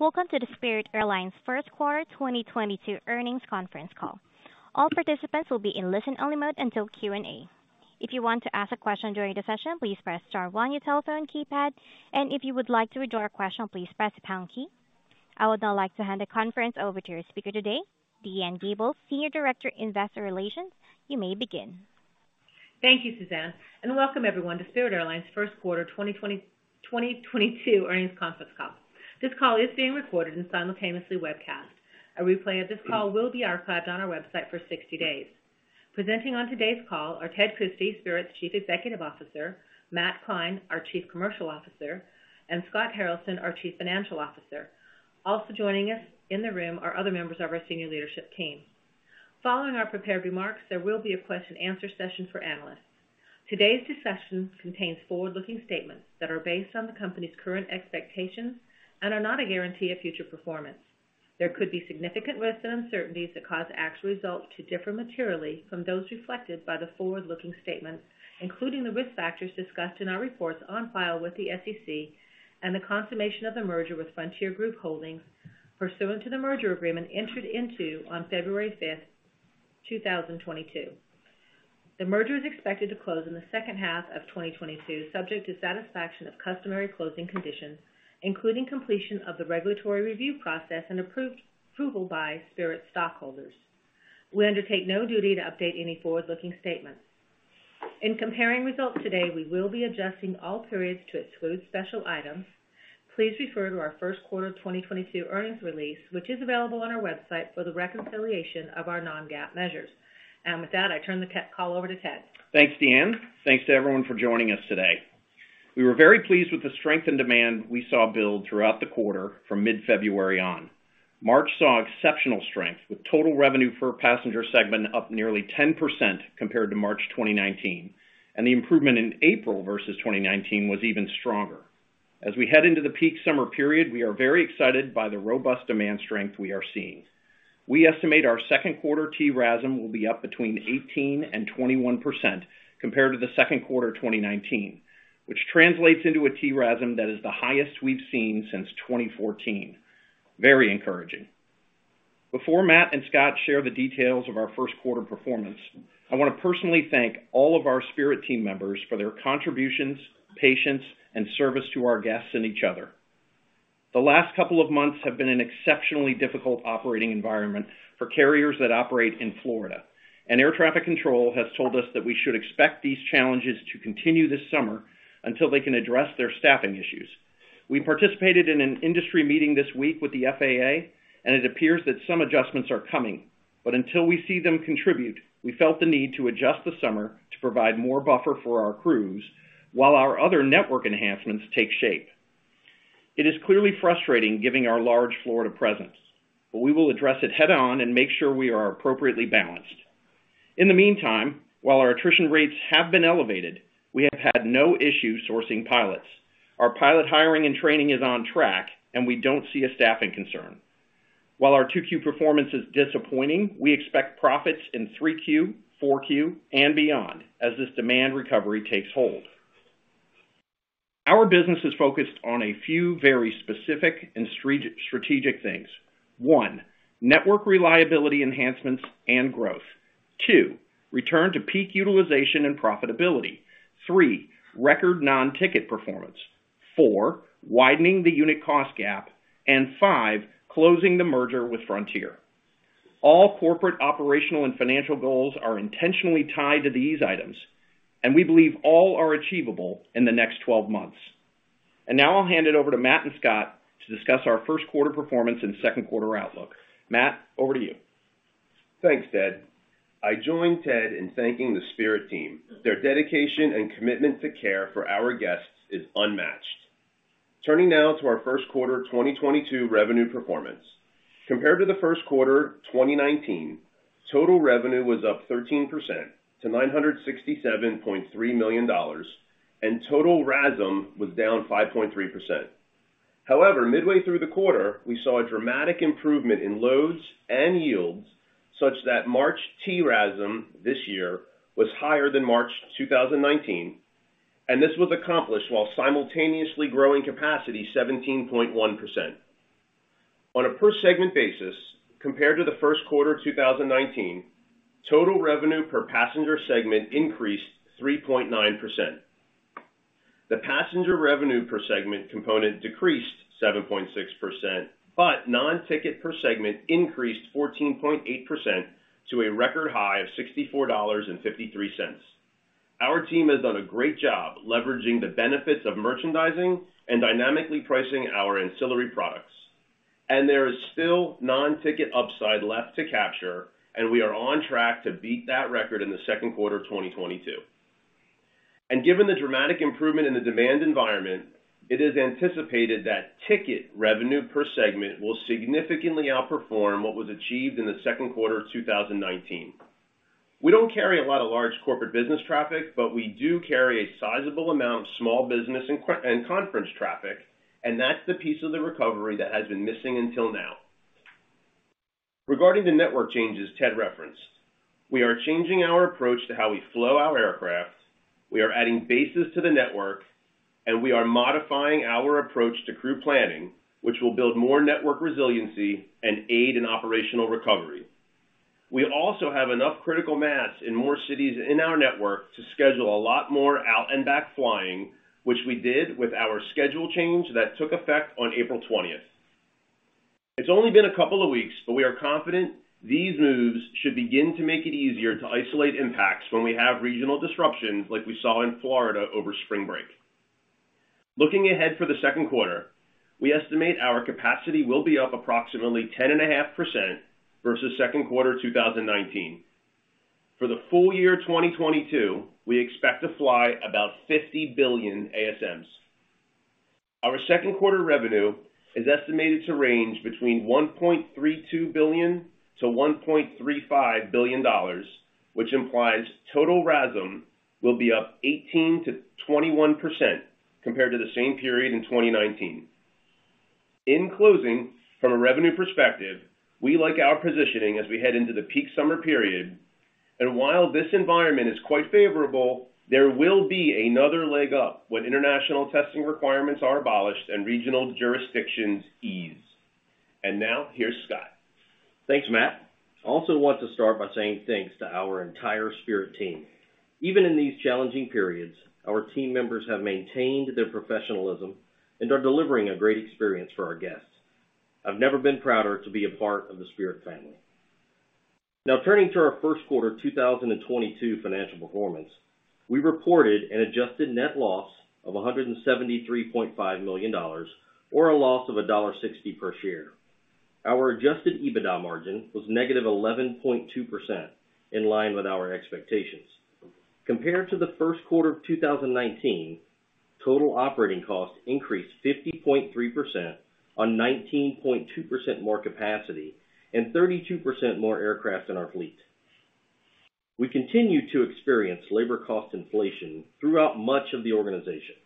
Welcome to the Spirit Airlines first quarter 2022 earnings conference call. All participants will be in listen-only mode until Q&A. If you want to ask a question during the session, please press star one on your telephone keypad, and if you would like to withdraw a question, please press the pound key. I would now like to hand the conference over to your speaker today, DeAnne Gabel, Senior Director, Investor Relations. You may begin. Thank you, Suzanne, and welcome everyone to Spirit Airlines' first quarter 2022 earnings conference call. This call is being recorded and simultaneously webcast. A replay of this call will be archived on our website for 60 days. Presenting on today's call are Ted Christie, Spirit's Chief Executive Officer, Matt Klein, our Chief Commercial Officer, and Scott Haralson, our Chief Financial Officer. Also joining us in the room are other members of our senior leadership team. Following our prepared remarks, there will be a question and answer session for analysts. Today's discussion contains forward-looking statements that are based on the company's current expectations and are not a guarantee of future performance. There could be significant risks and uncertainties that cause actual results to differ materially from those reflected by the forward-looking statements, including the risk factors discussed in our reports on file with the SEC and the consummation of the merger with Frontier Group Holdings pursuant to the merger agreement entered into on February 5th, 2022. The merger is expected to close in the second half of 2022, subject to satisfaction of customary closing conditions, including completion of the regulatory review process and approval by Spirit stockholders. We undertake no duty to update any forward-looking statements. In comparing results today, we will be adjusting all periods to exclude special items. Please refer to our first quarter 2022 earnings release, which is available on our website for the reconciliation of our non-GAAP measures. With that, I turn the call over to Ted. Thanks, DeAnne. Thanks to everyone for joining us today. We were very pleased with the strength and demand we saw build throughout the quarter from mid-February on. March saw exceptional strength with total revenue per passenger segment up nearly 10% compared to March 2019, and the improvement in April versus 2019 was even stronger. As we head into the peak summer period, we are very excited by the robust demand strength we are seeing. We estimate our second quarter TRASM will be up between 18% and 21% compared to the second quarter of 2019, which translates into a TRASM that is the highest we've seen since 2014. Very encouraging. Before Matt and Scott share the details of our first quarter performance, I wanna personally thank all of our Spirit team members for their contributions, patience, and service to our guests and each other. The last couple of months have been an exceptionally difficult operating environment for carriers that operate in Florida. Air Traffic Control has told us that we should expect these challenges to continue this summer until they can address their staffing issues. We participated in an industry meeting this week with the FAA, and it appears that some adjustments are coming. Until we see them contribute, we felt the need to adjust this summer to provide more buffer for our crews while our other network enhancements take shape. It is clearly frustrating giving our large Florida presence, but we will address it head-on and make sure we are appropriately balanced. In the meantime, while our attrition rates have been elevated, we have had no issue sourcing pilots. Our pilot hiring and training is on track, and we don't see a staffing concern. While our 2Q performance is disappointing, we expect profits in 3Q, 4Q, and beyond as this demand recovery takes hold. Our business is focused on a few very specific and strategic things. One, network reliability enhancements and growth. Two, return to peak utilization and profitability. Three, record non-ticket performance. Four, widening the unit cost gap. And five, closing the merger with Frontier. All corporate operational and financial goals are intentionally tied to these items, and we believe all are achievable in the next twelve months. Now I'll hand it over to Matt and Scott to discuss our first quarter performance and second quarter outlook. Matt, over to you. Thanks, Ted. I join Ted in thanking the Spirit team. Their dedication and commitment to care for our guests is unmatched. Turning now to our first quarter 2022 revenue performance. Compared to the first quarter 2019, total revenue was up 13% to $967.3 million, and total RASM was down 5.3%. However, midway through the quarter, we saw a dramatic improvement in loads and yields such that March TRASM this year was higher than March 2019, and this was accomplished while simultaneously growing capacity 17.1%. On a per segment basis, compared to the first quarter of 2019, total revenue per passenger segment increased 3.9%. The passenger revenue per segment component decreased 7.6%, but non-ticket per segment increased 14.8% to a record high of $64.53. Our team has done a great job leveraging the benefits of merchandising and dynamically pricing our ancillary products, and there is still non-ticket upside left to capture, and we are on track to beat that record in the second quarter of 2022. Given the dramatic improvement in the demand environment, it is anticipated that ticket revenue per segment will significantly outperform what was achieved in the second quarter of 2019. We don't carry a lot of large corporate business traffic, but we do carry a sizable amount of small business and conference traffic, and that's the piece of the recovery that has been missing until now. Regarding the network changes Ted referenced, we are changing our approach to how we flow our aircraft, we are adding bases to the network, and we are modifying our approach to crew planning, which will build more network resiliency and aid in operational recovery. We also have enough critical mass in more cities in our network to schedule a lot more out and back flying, which we did with our schedule change that took effect on April 20. It's only been a couple of weeks, but we are confident these moves should begin to make it easier to isolate impacts when we have regional disruptions like we saw in Florida over spring break. Looking ahead for the second quarter, we estimate our capacity will be up approximately 10.5% versus second quarter 2019. For the full year 2022, we expect to fly about 50 billion ASMs. Our second quarter revenue is estimated to range between $1.32 billion-$1.35 billion, which implies total RASM will be up 18%-21% compared to the same period in 2019. In closing, from a revenue perspective, we like our positioning as we head into the peak summer period. While this environment is quite favorable, there will be another leg up when international testing requirements are abolished and regional jurisdictions ease. Now, here's Scott. Thanks, Matt. I also want to start by saying thanks to our entire Spirit team. Even in these challenging periods, our team members have maintained their professionalism and are delivering a great experience for our guests. I've never been prouder to be a part of the Spirit family. Now turning to our first quarter 2022 financial performance, we reported an adjusted net loss of $173.5 million or a loss of $1.60 per share. Our adjusted EBITDA margin was -11.2% in line with our expectations. Compared to the first quarter of 2019, total operating costs increased 50.3% on 19.2% more capacity and 32% more aircraft in our fleet. We continue to experience labor cost inflation throughout much of the organization.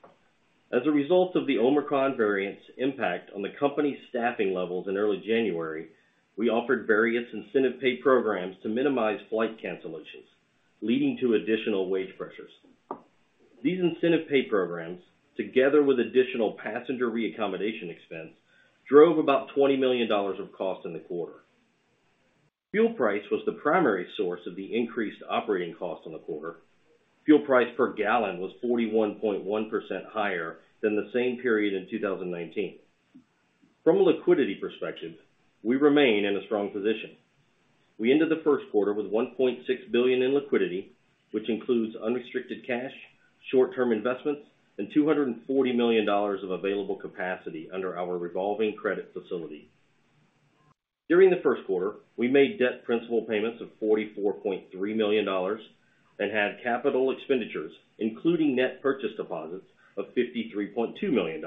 As a result of the Omicron variant's impact on the company's staffing levels in early January, we offered various incentive pay programs to minimize flight cancellations, leading to additional wage pressures. These incentive pay programs, together with additional passenger reaccommodation expense, drove about $20 million of cost in the quarter. Fuel price was the primary source of the increased operating cost in the quarter. Fuel price per gallon was 41.1% higher than the same period in 2019. From a liquidity perspective, we remain in a strong position. We ended the first quarter with $1.6 billion in liquidity, which includes unrestricted cash, short-term investments, and $240 million of available capacity under our revolving credit facility. During the first quarter, we made debt principal payments of $44.3 million and had capital expenditures, including net purchase deposits of $53.2 million.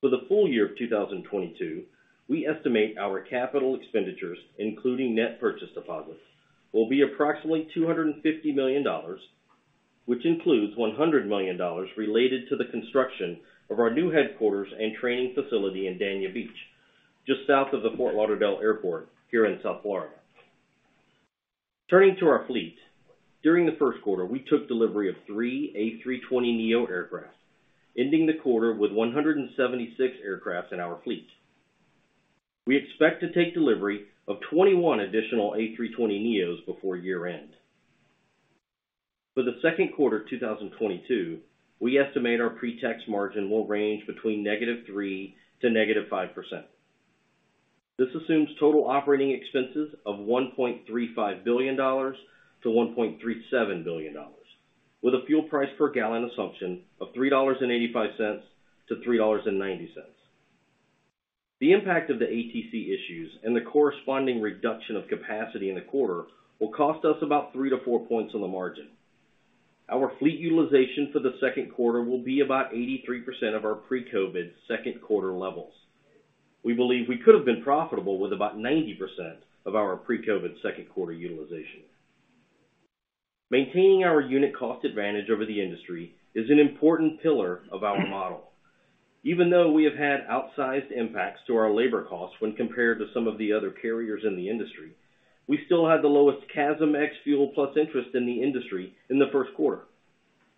For the full year of 2022, we estimate our capital expenditures, including net purchase deposits, will be approximately $250 million, which includes $100 million related to the construction of our new headquarters and training facility in Dania Beach, just south of the Fort Lauderdale Airport here in South Florida. Turning to our fleet, during the first quarter, we took delivery of three A320neo aircraft, ending the quarter with 176 aircraft in our fleet. We expect to take delivery of 21 additional A320neos before year-end. For the second quarter 2022, we estimate our pre-tax margin will range between -3% to -5%. This assumes total operating expenses of $1.35 billion-$1.37 billion, with a fuel price per gallon assumption of $3.85-$3.90. The impact of the ATC issues and the corresponding reduction of capacity in the quarter will cost us about three to four points on the margin. Our fleet utilization for the second quarter will be about 83% of our pre-COVID second quarter levels. We believe we could have been profitable with about 90% of our pre-COVID second quarter utilization. Maintaining our unit cost advantage over the industry is an important pillar of our model. Even though we have had outsized impacts to our labor costs when compared to some of the other carriers in the industry, we still had the lowest CASM ex-fuel plus interest in the industry in the first quarter.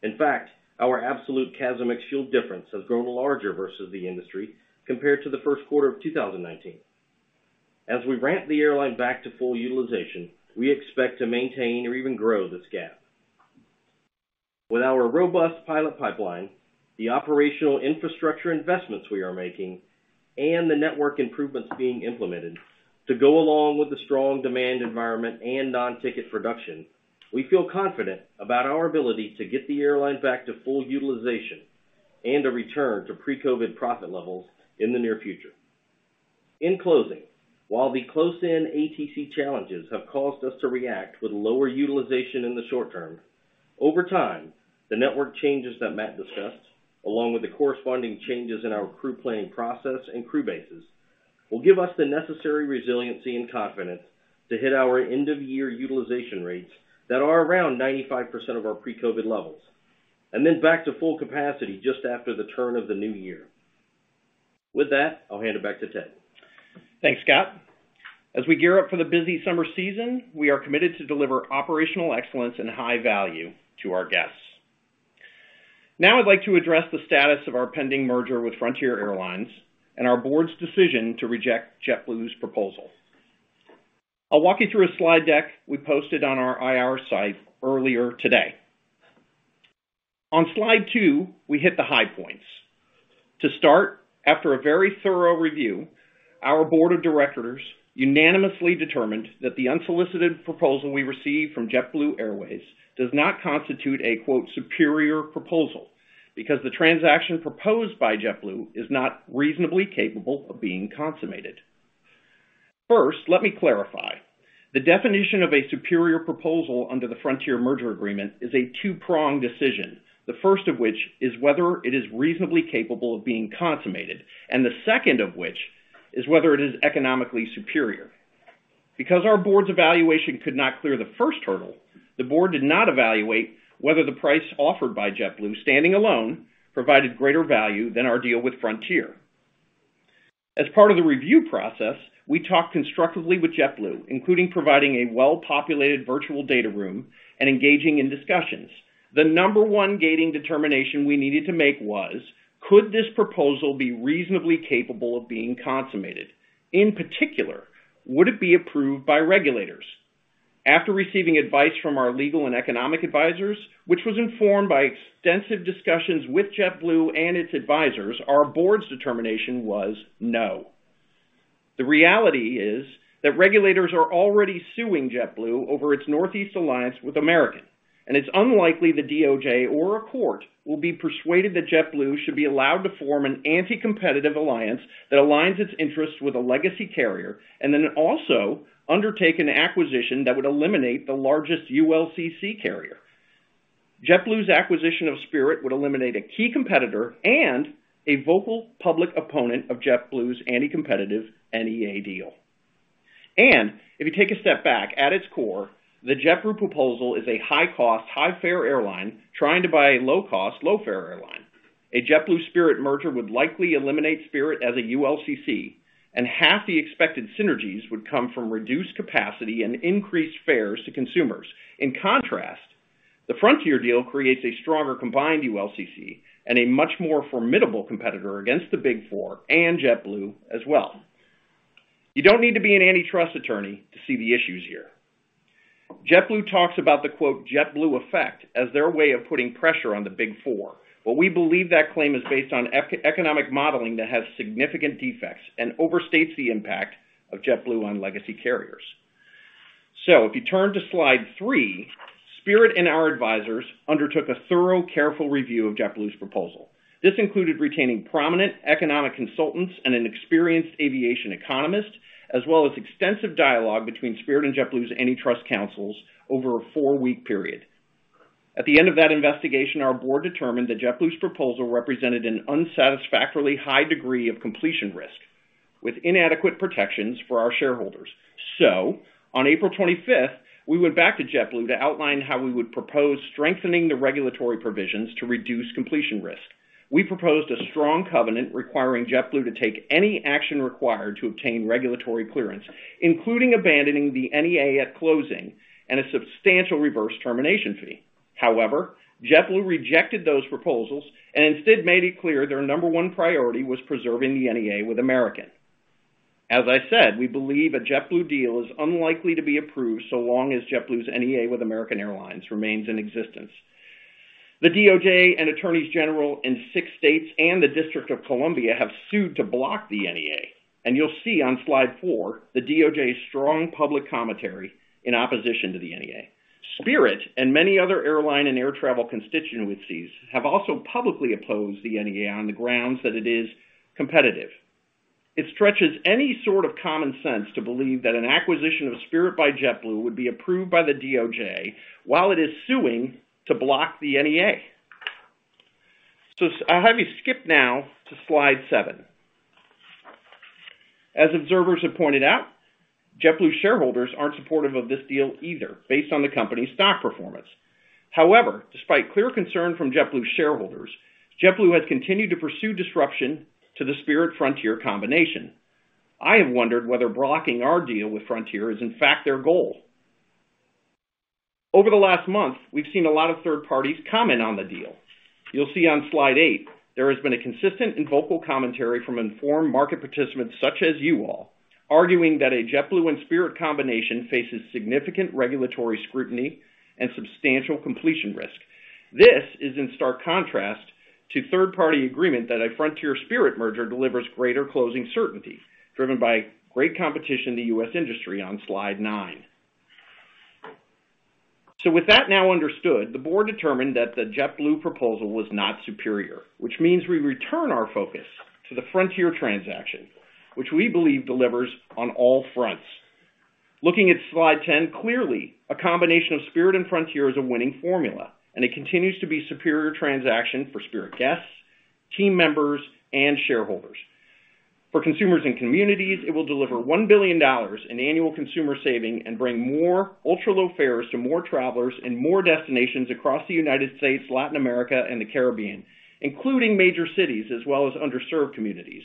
In fact, our absolute CASM ex-fuel difference has grown larger versus the industry compared to the first quarter of 2019. As we ramp the airline back to full utilization, we expect to maintain or even grow this gap. With our robust pilot pipeline, the operational infrastructure investments we are making, and the network improvements being implemented to go along with the strong demand environment and non-ticket production, we feel confident about our ability to get the airline back to full utilization and a return to pre-COVID profit levels in the near future. In closing, while the close-in ATC challenges have caused us to react with lower utilization in the short term, over time, the network changes that Matt discussed, along with the corresponding changes in our crew planning process and crew bases, will give us the necessary resiliency and confidence to hit our end-of-year utilization rates that are around 95% of our pre-COVID levels. Then back to full capacity just after the turn of the new year. With that, I'll hand it back to Ted. Thanks, Scott. As we gear up for the busy summer season, we are committed to deliver operational excellence and high value to our guests. Now I'd like to address the status of our pending merger with Frontier Airlines and our board's decision to reject JetBlue's proposal. I'll walk you through a slide deck we posted on our IR site earlier today. On slide two, we hit the high points. To start, after a very thorough review, our board of directors unanimously determined that the unsolicited proposal we received from JetBlue Airways does not constitute a "superior proposal" because the transaction proposed by JetBlue is not reasonably capable of being consummated. First, let me clarify. The definition of a superior proposal under the Frontier merger agreement is a two-pronged decision. The first of which is whether it is reasonably capable of being consummated, and the second of which is whether it is economically superior. Because our board's evaluation could not clear the first hurdle, the board did not evaluate whether the price offered by JetBlue, standing alone, provided greater value than our deal with Frontier. As part of the review process, we talked constructively with JetBlue, including providing a well-populated virtual data room and engaging in discussions. The number one gating determination we needed to make was. Could this proposal be reasonably capable of being consummated? In particular, would it be approved by regulators? After receiving advice from our legal and economic advisors, which was informed by extensive discussions with JetBlue and its advisors, our board's determination was no. The reality is that regulators are already suing JetBlue over its Northeast Alliance with American, and it's unlikely the DOJ or a court will be persuaded that JetBlue should be allowed to form an anti-competitive alliance that aligns its interests with a legacy carrier and then also undertake an acquisition that would eliminate the largest ULCC carrier. JetBlue's acquisition of Spirit would eliminate a key competitor and a vocal public opponent of JetBlue's anti-competitive NEA deal. If you take a step back, at its core, the JetBlue proposal is a high-cost, high-fare airline trying to buy a low-cost, low-fare airline. A JetBlue Spirit merger would likely eliminate Spirit as a ULCC, and half the expected synergies would come from reduced capacity and increased fares to consumers. In contrast, the Frontier deal creates a stronger combined ULCC and a much more formidable competitor against the Big Four and JetBlue as well. You don't need to be an antitrust attorney to see the issues here. JetBlue talks about the, quote, "JetBlue Effect" as their way of putting pressure on the Big Four, but we believe that claim is based on econometric modeling that has significant defects and overstates the impact of JetBlue on legacy carriers. If you turn to slide three, Spirit and our advisors undertook a thorough, careful review of JetBlue's proposal. This included retaining prominent economic consultants and an experienced aviation economist, as well as extensive dialogue between Spirit and JetBlue's antitrust counsels over a four-week period. At the end of that investigation, our board determined that JetBlue's proposal represented an unsatisfactorily high degree of completion risk with inadequate protections for our shareholders. On April 25th, we went back to JetBlue to outline how we would propose strengthening the regulatory provisions to reduce completion risk. We proposed a strong covenant requiring JetBlue to take any action required to obtain regulatory clearance, including abandoning the NEA at closing and a substantial reverse termination fee. However, JetBlue rejected those proposals and instead made it clear their number one priority was preserving the NEA with American. As I said, we believe a JetBlue deal is unlikely to be approved so long as JetBlue's NEA with American Airlines remains in existence. The DOJ and attorneys general in six states and the District of Columbia have sued to block the NEA, and you'll see on slide four the DOJ's strong public commentary in opposition to the NEA. Spirit and many other airline and air travel constituencies have also publicly opposed the NEA on the grounds that it is competitive. It stretches any sort of common sense to believe that an acquisition of Spirit by JetBlue would be approved by the DOJ while it is suing to block the NEA. I'll have you skip now to slide seven. As observers have pointed out, JetBlue shareholders aren't supportive of this deal either based on the company's stock performance. However, despite clear concern from JetBlue shareholders, JetBlue has continued to pursue disruption to the Spirit Frontier combination. I have wondered whether blocking our deal with Frontier is, in fact, their goal. Over the last month, we've seen a lot of third parties comment on the deal. You'll see on slide eight there has been a consistent and vocal commentary from informed market participants such as you all, arguing that a JetBlue and Spirit combination faces significant regulatory scrutiny and substantial completion risk. This is in stark contrast to third-party agreement that a Frontier Spirit merger delivers greater closing certainty, driven by great competition in the U.S. industry on slide nine. With that now understood, the board determined that the JetBlue proposal was not superior, which means we return our focus to the Frontier transaction, which we believe delivers on all fronts. Looking at slide 10, clearly, a combination of Spirit and Frontier is a winning formula, and it continues to be superior transaction for Spirit guests, team members, and shareholders. For consumers and communities, it will deliver $1 billion in annual consumer savings and bring more ultra-low fares to more travelers and more destinations across the United States, Latin America, and the Caribbean, including major cities as well as underserved communities.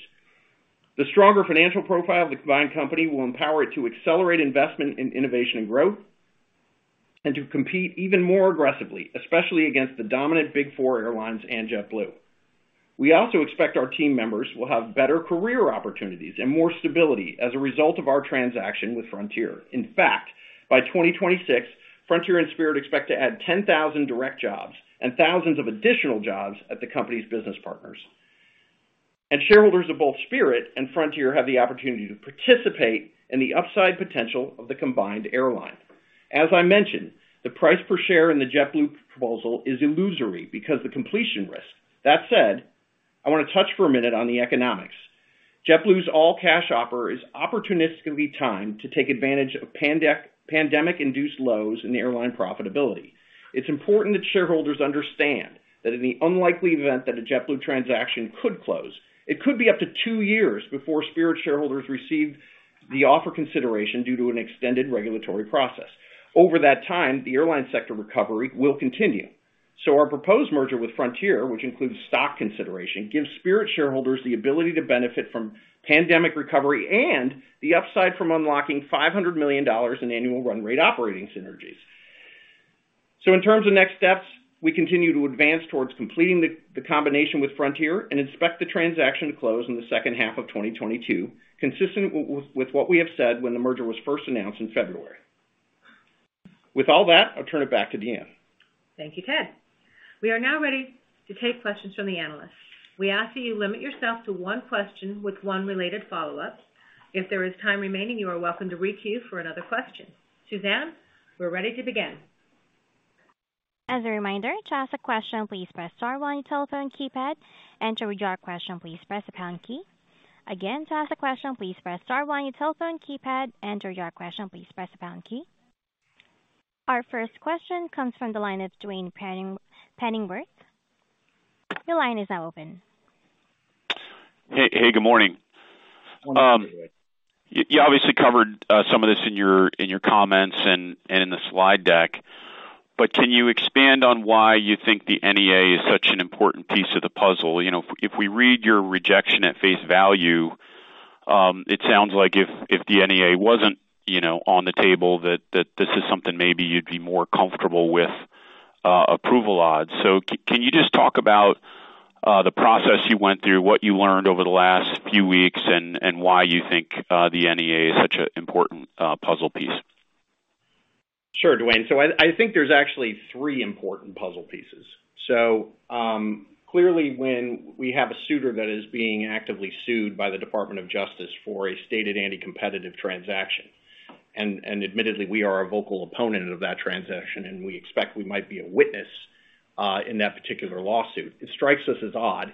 The stronger financial profile of the combined company will empower it to accelerate investment in innovation and growth and to compete even more aggressively, especially against the dominant Big Four airlines and JetBlue. We also expect our team members will have better career opportunities and more stability as a result of our transaction with Frontier. In fact, by 2026, Frontier and Spirit expect to add 10,000 direct jobs and thousands of additional jobs at the company's business partners. Shareholders of both Spirit and Frontier have the opportunity to participate in the upside potential of the combined airline. As I mentioned, the price per share in the JetBlue proposal is illusory because the completion risk. That said, I want to touch on for a minute the economics. JetBlue's all-cash offer is opportunistically timed to take advantage of pandemic-induced lows in the airline profitability. It's important that shareholders understand that in the unlikely event that a JetBlue transaction could close, it could be up to two years before Spirit shareholders receive the offer consideration due to an extended regulatory process. Over that time, the airline sector recovery will continue. Our proposed merger with Frontier, which includes stock consideration, gives Spirit shareholders the ability to benefit from pandemic recovery and the upside from unlocking $500 million in annual run rate operating synergies. In terms of next steps, we continue to advance towards completing the combination with Frontier and expect the transaction to close in the second half of 2022, consistent with what we have said when the merger was first announced in February. With all that, I'll turn it back to DeAnne. Thank you, Ted. We are now ready to take questions from the analysts. We ask that you limit yourself to one question with one related follow-up. If there is time remaining, you are welcome to queue for another question. Suzanne, we're ready to begin. As a reminder, to ask a question, please press star one on your telephone keypad. Enter your question, please press the pound key. Again, to ask a question, please press star one on your telephone keypad. Enter your question, please press the pound key. Our first question comes from the line of Duane Pfennigwerth. Your line is now open. Hey, good morning. You obviously covered some of this in your comments and in the slide deck, but can you expand on why you think the NEA is such an important piece of the puzzle? You know, if we read your rejection at face value, it sounds like if the NEA wasn't, you know, on the table that this is something maybe you'd be more comfortable with approval odds. Can you just talk about the process you went through, what you learned over the last few weeks, and why you think the NEA is such an important puzzle piece? Sure, Duane. I think there's actually three important puzzle pieces. Clearly, when we have a suitor that is being actively sued by the Department of Justice for a stated anti-competitive transaction, and admittedly, we are a vocal opponent of that transaction, and we expect we might be a witness in that particular lawsuit, it strikes us as odd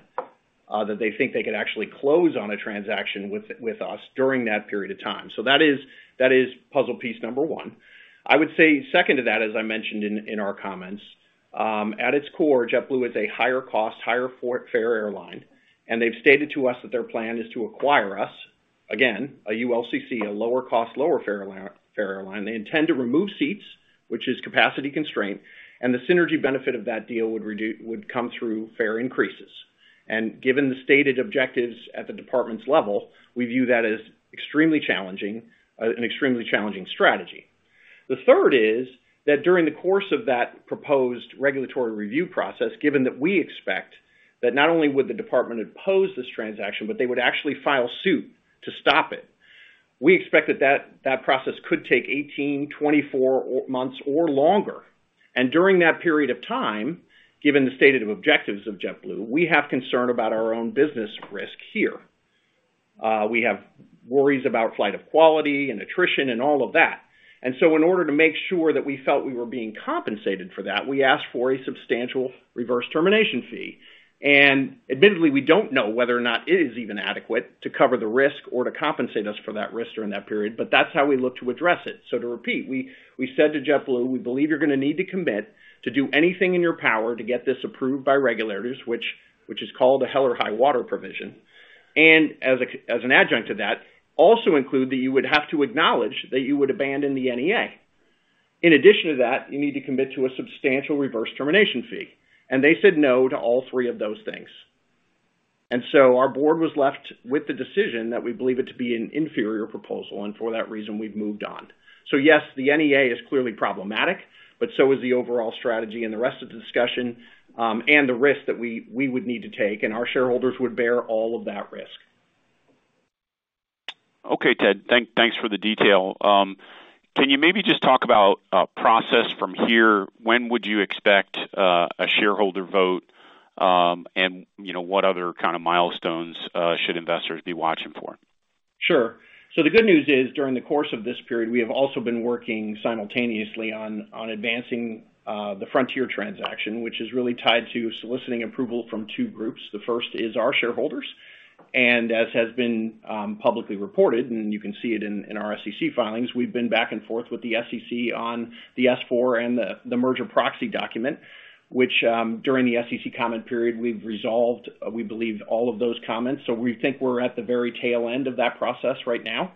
that they think they could actually close on a transaction with us during that period of time. That is puzzle piece number one. I would say second to that, as I mentioned in our comments, at its core, JetBlue is a higher cost, higher fare airline, and they've stated to us that their plan is to acquire us, again, a ULCC, a lower cost, lower fare airline. They intend to remove seats, which is capacity constraint, and the synergy benefit of that deal would come through fare increases. Given the stated objectives at the department's level, we view that as extremely challenging, an extremely challenging strategy. The third is that during the course of that proposed regulatory review process, given that we expect that not only would the department oppose this transaction, but they would actually file suit to stop it, we expect that process could take 18-24 months or longer. During that period of time, given the stated objectives of JetBlue, we have concern about our own business risk here. We have worries about flight of quality and attrition and all of that. In order to make sure that we felt we were being compensated for that, we asked for a substantial reverse termination fee. Admittedly, we don't know whether or not it is even adequate to cover the risk or to compensate us for that risk during that period, but that's how we look to address it. To repeat, we said to JetBlue, we believe you're gonna need to commit to do anything in your power to get this approved by regulators, which is called a hell or high water provision. As an adjunct to that, also include that you would have to acknowledge that you would abandon the NEA. In addition to that, you need to commit to a substantial reverse termination fee. They said no to all three of those things. Our board was left with the decision that we believe it to be an inferior proposal, and for that reason, we've moved on. Yes, the NEA is clearly problematic, but so is the overall strategy and the rest of the discussion, and the risk that we would need to take, and our shareholders would bear all of that risk. Okay, Ted, thanks for the detail. Can you maybe just talk about process from here? When would you expect a shareholder vote? You know, what other kind of milestones should investors be watching for? Sure. The good news is, during the course of this period, we have also been working simultaneously on advancing the Frontier transaction, which is really tied to soliciting approval from two groups. The first is our shareholders, and as has been publicly reported, and you can see it in our SEC filings, we've been back and forth with the SEC on the S-4 and the merger proxy document, which during the SEC comment period, we've resolved, we believe, all of those comments. We think we're at the very tail end of that process right now.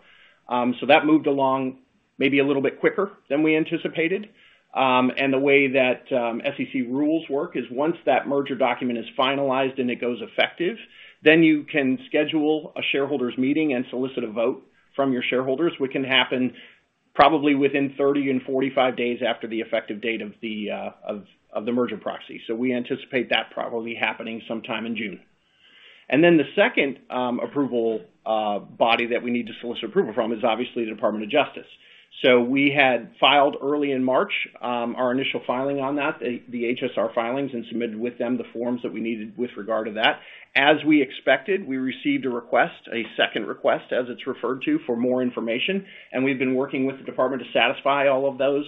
That moved along. Maybe a little bit quicker than we anticipated. The way that SEC rules work is once that merger document is finalized and it goes effective, then you can schedule a shareholders meeting and solicit a vote from your shareholders, which can happen probably within 30-45 days after the effective date of the merger proxy. We anticipate that probably happening sometime in June. The second approval body that we need to solicit approval from is obviously the Department of Justice. We had filed early in March our initial filing on that, the HSR filings, and submitted with them the forms that we needed with regard to that. As we expected, we received a request, a second request as it's referred to, for more information, and we've been working with the department to satisfy all of those,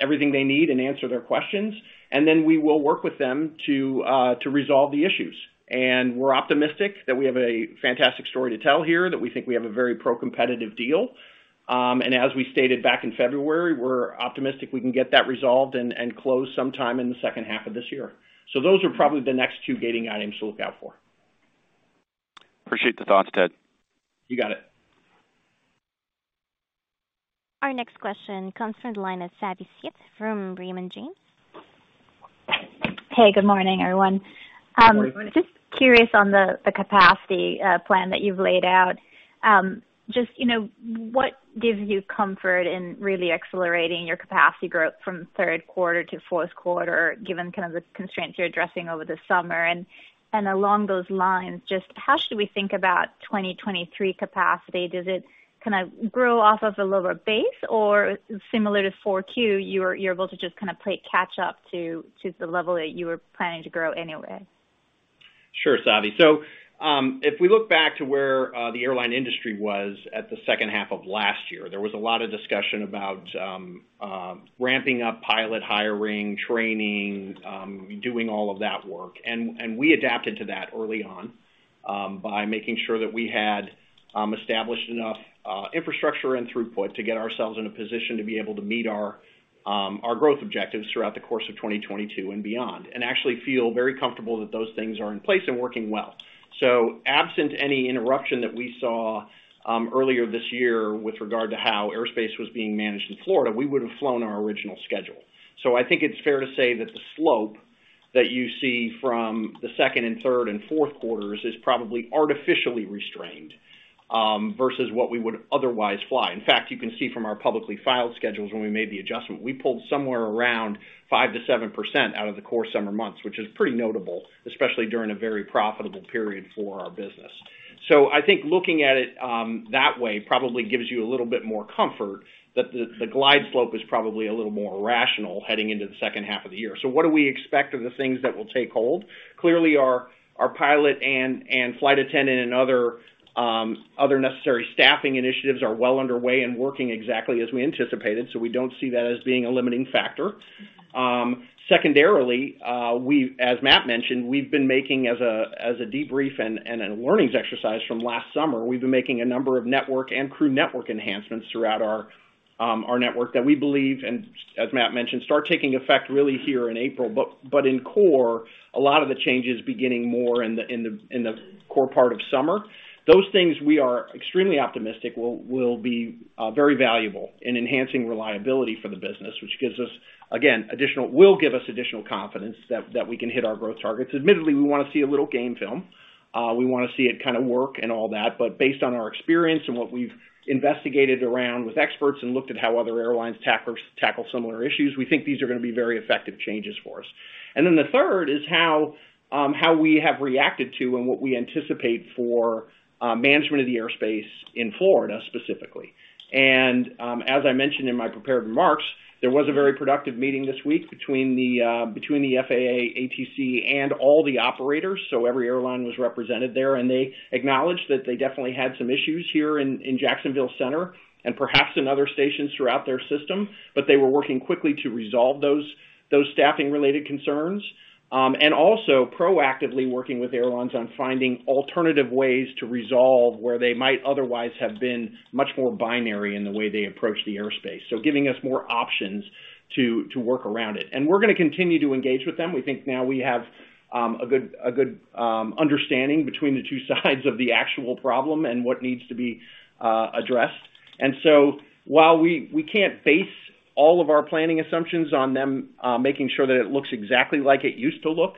everything they need and answer their questions. Then we will work with them to resolve the issues. We're optimistic that we have a fantastic story to tell here, that we think we have a very pro-competitive deal. As we stated back in February, we're optimistic we can get that resolved and closed sometime in the second half of this year. Those are probably the next two gating items to look out for. Appreciate the thoughts, Ted. You got it. Our next question comes from the line of Savi Syth from Raymond James. Hey, good morning, everyone. Good morning. Just curious on the capacity plan that you've laid out. You know, what gives you comfort in really accelerating your capacity growth from third quarter to fourth quarter, given kind of the constraints you're addressing over the summer? Along those lines, just how should we think about 2023 capacity? Does it kind of grow off of a lower base or similar to 4Q, you're able to just kind of play catch up to the level that you were planning to grow anyway? Sure, Savi. If we look back to where the airline industry was at the second half of last year, there was a lot of discussion about ramping up pilot hiring, training, doing all of that work. We adapted to that early on by making sure that we had established enough infrastructure and throughput to get ourselves in a position to be able to meet our growth objectives throughout the course of 2022 and beyond, and actually feel very comfortable that those things are in place and working well. Absent any interruption that we saw earlier this year with regard to how airspace was being managed in Florida, we would have flown our original schedule. I think it's fair to say that the slope that you see from the second and third and fourth quarters is probably artificially restrained versus what we would otherwise fly. In fact, you can see from our publicly filed schedules when we made the adjustment, we pulled somewhere around 5%-7% out of the core summer months, which is pretty notable, especially during a very profitable period for our business. I think looking at it that way probably gives you a little bit more comfort that the glide slope is probably a little more rational heading into the second half of the year. What do we expect are the things that will take hold? Clearly, our pilot and flight attendant and other necessary staffing initiatives are well underway and working exactly as we anticipated, so we don't see that as being a limiting factor. Secondarily, as Matt mentioned, we've been making, as a debrief and learnings exercise from last summer, a number of network and crew network enhancements throughout our network that we believe, and as Matt mentioned, start taking effect really here in April. In core, a lot of the changes beginning more in the core part of summer. Those things we are extremely optimistic will be very valuable in enhancing reliability for the business, which gives us, again, additional confidence that we can hit our growth targets. Admittedly, we wanna see a little game film. We wanna see it kind of work and all that. Based on our experience and what we've investigated around with experts and looked at how other airlines tackle similar issues, we think these are gonna be very effective changes for us. The third is how we have reacted to and what we anticipate for management of the airspace in Florida, specifically. As I mentioned in my prepared remarks, there was a very productive meeting this week between the FAA, ATC, and all the operators. Every airline was represented there, and they acknowledged that they definitely had some issues here in Jacksonville Center and perhaps in other stations throughout their system, but they were working quickly to resolve those staffing-related concerns. Proactively working with airlines on finding alternative ways to resolve where they might otherwise have been much more binary in the way they approach the airspace. Giving us more options to work around it. We're gonna continue to engage with them. We think now we have a good understanding between the two sides of the actual problem and what needs to be addressed. While we can't base all of our planning assumptions on them making sure that it looks exactly like it used to look,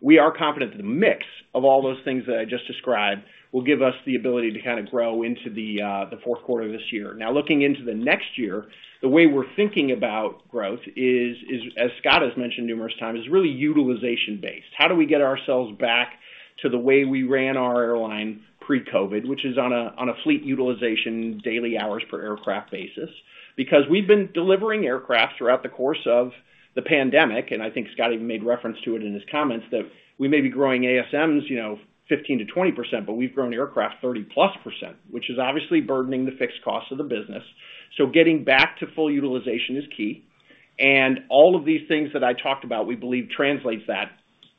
we are confident that the mix of all those things that I just described will give us the ability to kind of grow into the fourth quarter of this year. Now, looking into the next year, the way we're thinking about growth is, as Scott has mentioned numerous times, is really utilization-based. How do we get ourselves back to the way we ran our airline pre-COVID, which is on a fleet utilization daily hours per aircraft basis? Because we've been delivering aircraft throughout the course of the pandemic, and I think Scott even made reference to it in his comments, that we may be growing ASMs, you know, 15%-20%, but we've grown aircraft 30%+, which is obviously burdening the fixed cost of the business. So getting back to full utilization is key. All of these things that I talked about, we believe translates that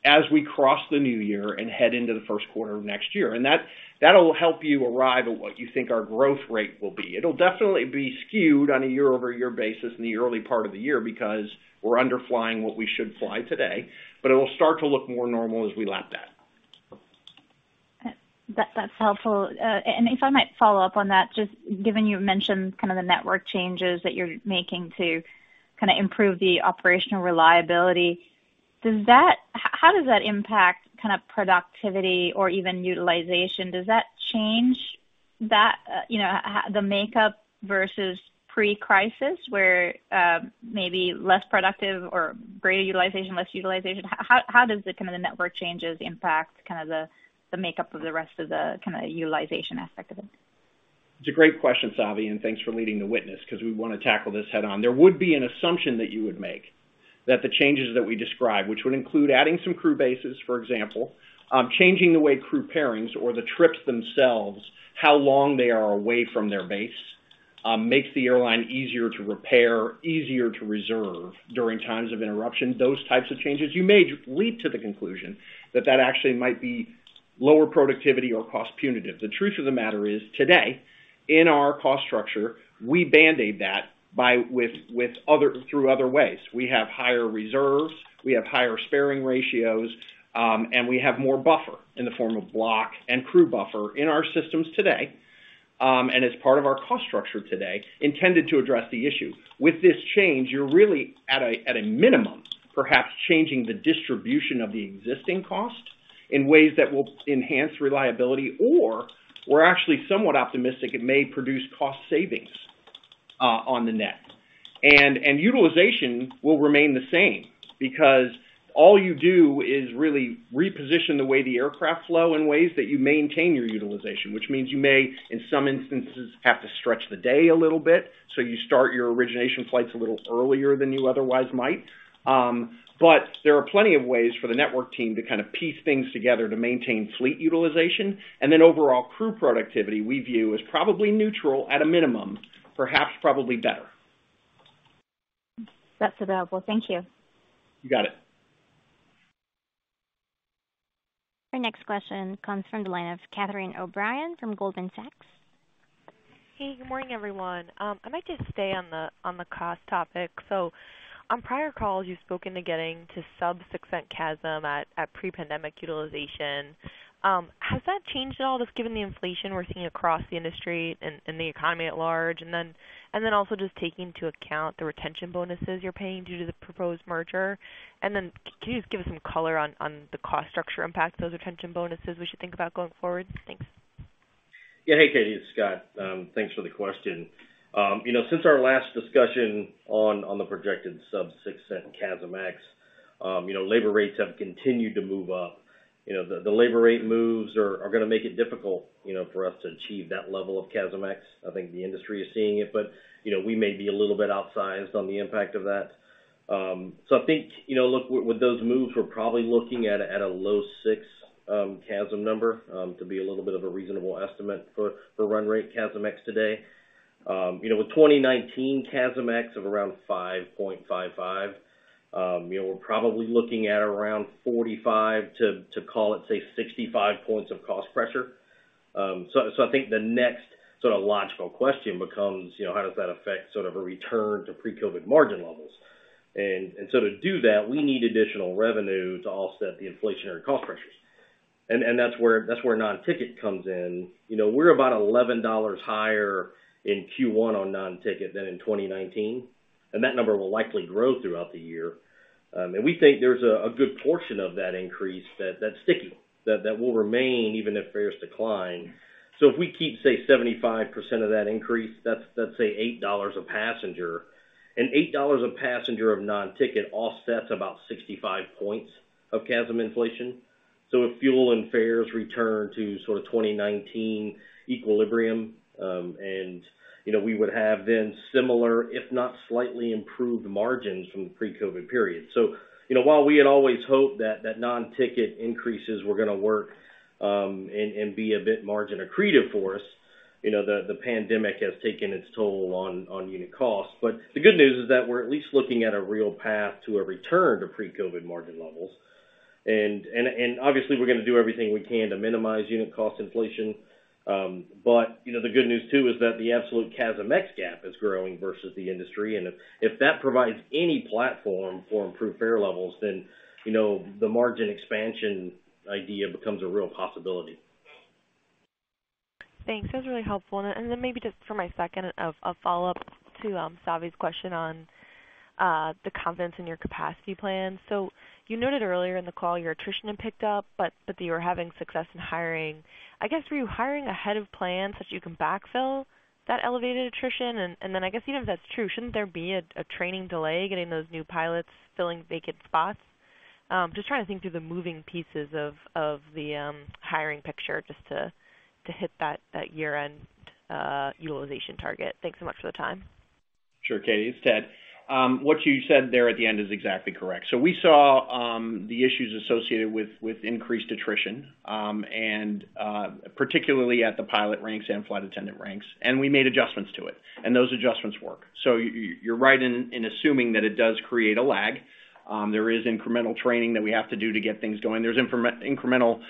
as we cross the new year and head into the first quarter of next year. That, that'll help you arrive at what you think our growth rate will be. It'll definitely be skewed on a year-over-year basis in the early part of the year because we're under flying what we should fly today, but it will start to look more normal as we lap that. That's helpful. If I might follow up on that, just given you mentioned kind of the network changes that you're making to kind of improve the operational reliability, how does that impact kind of productivity or even utilization? Does that change that, you know, how the makeup versus pre-crisis where, maybe less productive or greater utilization, less utilization? How does the kind of network changes impact kind of the makeup of the rest of the kind of utilization aspect of it? It's a great question, Savi, and thanks for leading the witness because we wanna tackle this head on. There would be an assumption that you would make that the changes that we describe, which would include adding some crew bases, for example, changing the way crew pairings or the trips themselves, how long they are away from their base, makes the airline easier to repair, easier to reserve during times of interruption. Those types of changes, you may lead to the conclusion that actually might be lower productivity or cost punitive. The truth of the matter is, today, in our cost structure, we band-aid that through other ways. We have higher reserves, we have higher sparing ratios, and we have more buffer in the form of block and crew buffer in our systems today, and as part of our cost structure today, intended to address the issue. With this change, you're really at a minimum, perhaps changing the distribution of the existing cost in ways that will enhance reliability, or we're actually somewhat optimistic it may produce cost savings, on the net. Utilization will remain the same because all you do is really reposition the way the aircraft flow in ways that you maintain your utilization, which means you may, in some instances, have to stretch the day a little bit, so you start your origination flights a little earlier than you otherwise might. There are plenty of ways for the network team to kind of piece things together to maintain fleet utilization. Then overall crew productivity we view as probably neutral at a minimum, perhaps probably better. That's available. Thank you. You got it. Our next question comes from the line of Catherine O'Brien from Goldman Sachs. Hey, good morning, everyone. I might just stay on the cost topic. On prior calls, you've spoken to getting to sub-$0.06 CASM at pre-pandemic utilization. Has that changed at all, just given the inflation we're seeing across the industry and the economy at large? Also just taking into account the retention bonuses you're paying due to the proposed merger. Can you just give us some color on the cost structure impact of those retention bonuses we should think about going forward? Thanks. Yeah. Hey, Katie, it's Scott. Thanks for the question. You know, since our last discussion on the projected sub-$0.06 CASMx, you know, labor rates have continued to move up. You know, the labor rate moves are gonna make it difficult, you know, for us to achieve that level of CASMx. I think the industry is seeing it, but, you know, we may be a little bit outsized on the impact of that. So I think, you know, look, with those moves, we're probably looking at a low-6 CASM number to be a little bit of a reasonable estimate for run rate CASMx today. You know, with 2019 CASMx of around 5.55, you know, we're probably looking at around 45 to call it, say 65 points of cost pressure. I think the next sort of logical question becomes, you know, how does that affect sort of a return to pre-COVID margin levels? To do that, we need additional revenue to offset the inflationary cost pressures. That's where non-ticket comes in. You know, we're about $11 higher in Q1 on non-ticket than in 2019, and that number will likely grow throughout the year. We think there's a good portion of that increase that's sticky, that will remain even if fares decline. If we keep, say, 75% of that increase, that's say $8 a passenger, and $8 a passenger of non-ticket offsets about 65 points of CASM inflation. If fuel and fares return to sort of 2019 equilibrium, and you know, we would have then similar, if not slightly improved margins from the pre-COVID period. You know, while we had always hoped that non-ticket increases were gonna work, and be a bit margin accretive for us, you know, the pandemic has taken its toll on unit costs. The good news is that we're at least looking at a real path to a return to pre-COVID margin levels. Obviously, we're gonna do everything we can to minimize unit cost inflation. You know, the good news too is that the absolute CASMx gap is growing versus the industry. If that provides any platform for improved fare levels, then you know, the margin expansion idea becomes a real possibility. Thanks. That was really helpful. Then maybe just for my second follow-up to Savi's question on the confidence in your capacity plan. You noted earlier in the call your attrition had picked up, but that you were having success in hiring. Were you hiring ahead of plan, so you can backfill that elevated attrition? Then even if that's true, shouldn't there be a training delay getting those new pilots filling vacant spots? Just trying to think through the moving pieces of the hiring picture just to hit that year-end utilization target. Thanks so much for the time. Sure, Katie, it's Ted. What you said there at the end is exactly correct. We saw the issues associated with increased attrition, and particularly at the pilot ranks and flight attendant ranks, and we made adjustments to it, and those adjustments work. You're right in assuming that it does create a lag. There is incremental training that we have to do to get things going. There's incremental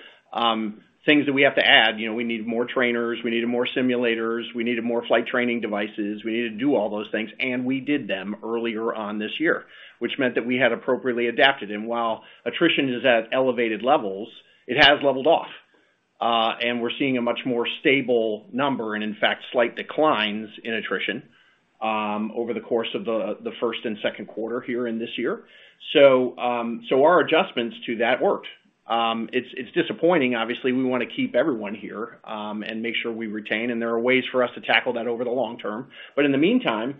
things that we have to add. You know, we needed more trainers, we needed more simulators, we needed more flight training devices. We needed to do all those things, and we did them earlier on this year, which meant that we had appropriately adapted. While attrition is at elevated levels, it has leveled off. We're seeing a much more stable number and in fact, slight declines in attrition over the course of the first and second quarter here in this year. Our adjustments to that worked. It's disappointing. Obviously, we wanna keep everyone here and make sure we retain, and there are ways for us to tackle that over the long term. In the meantime,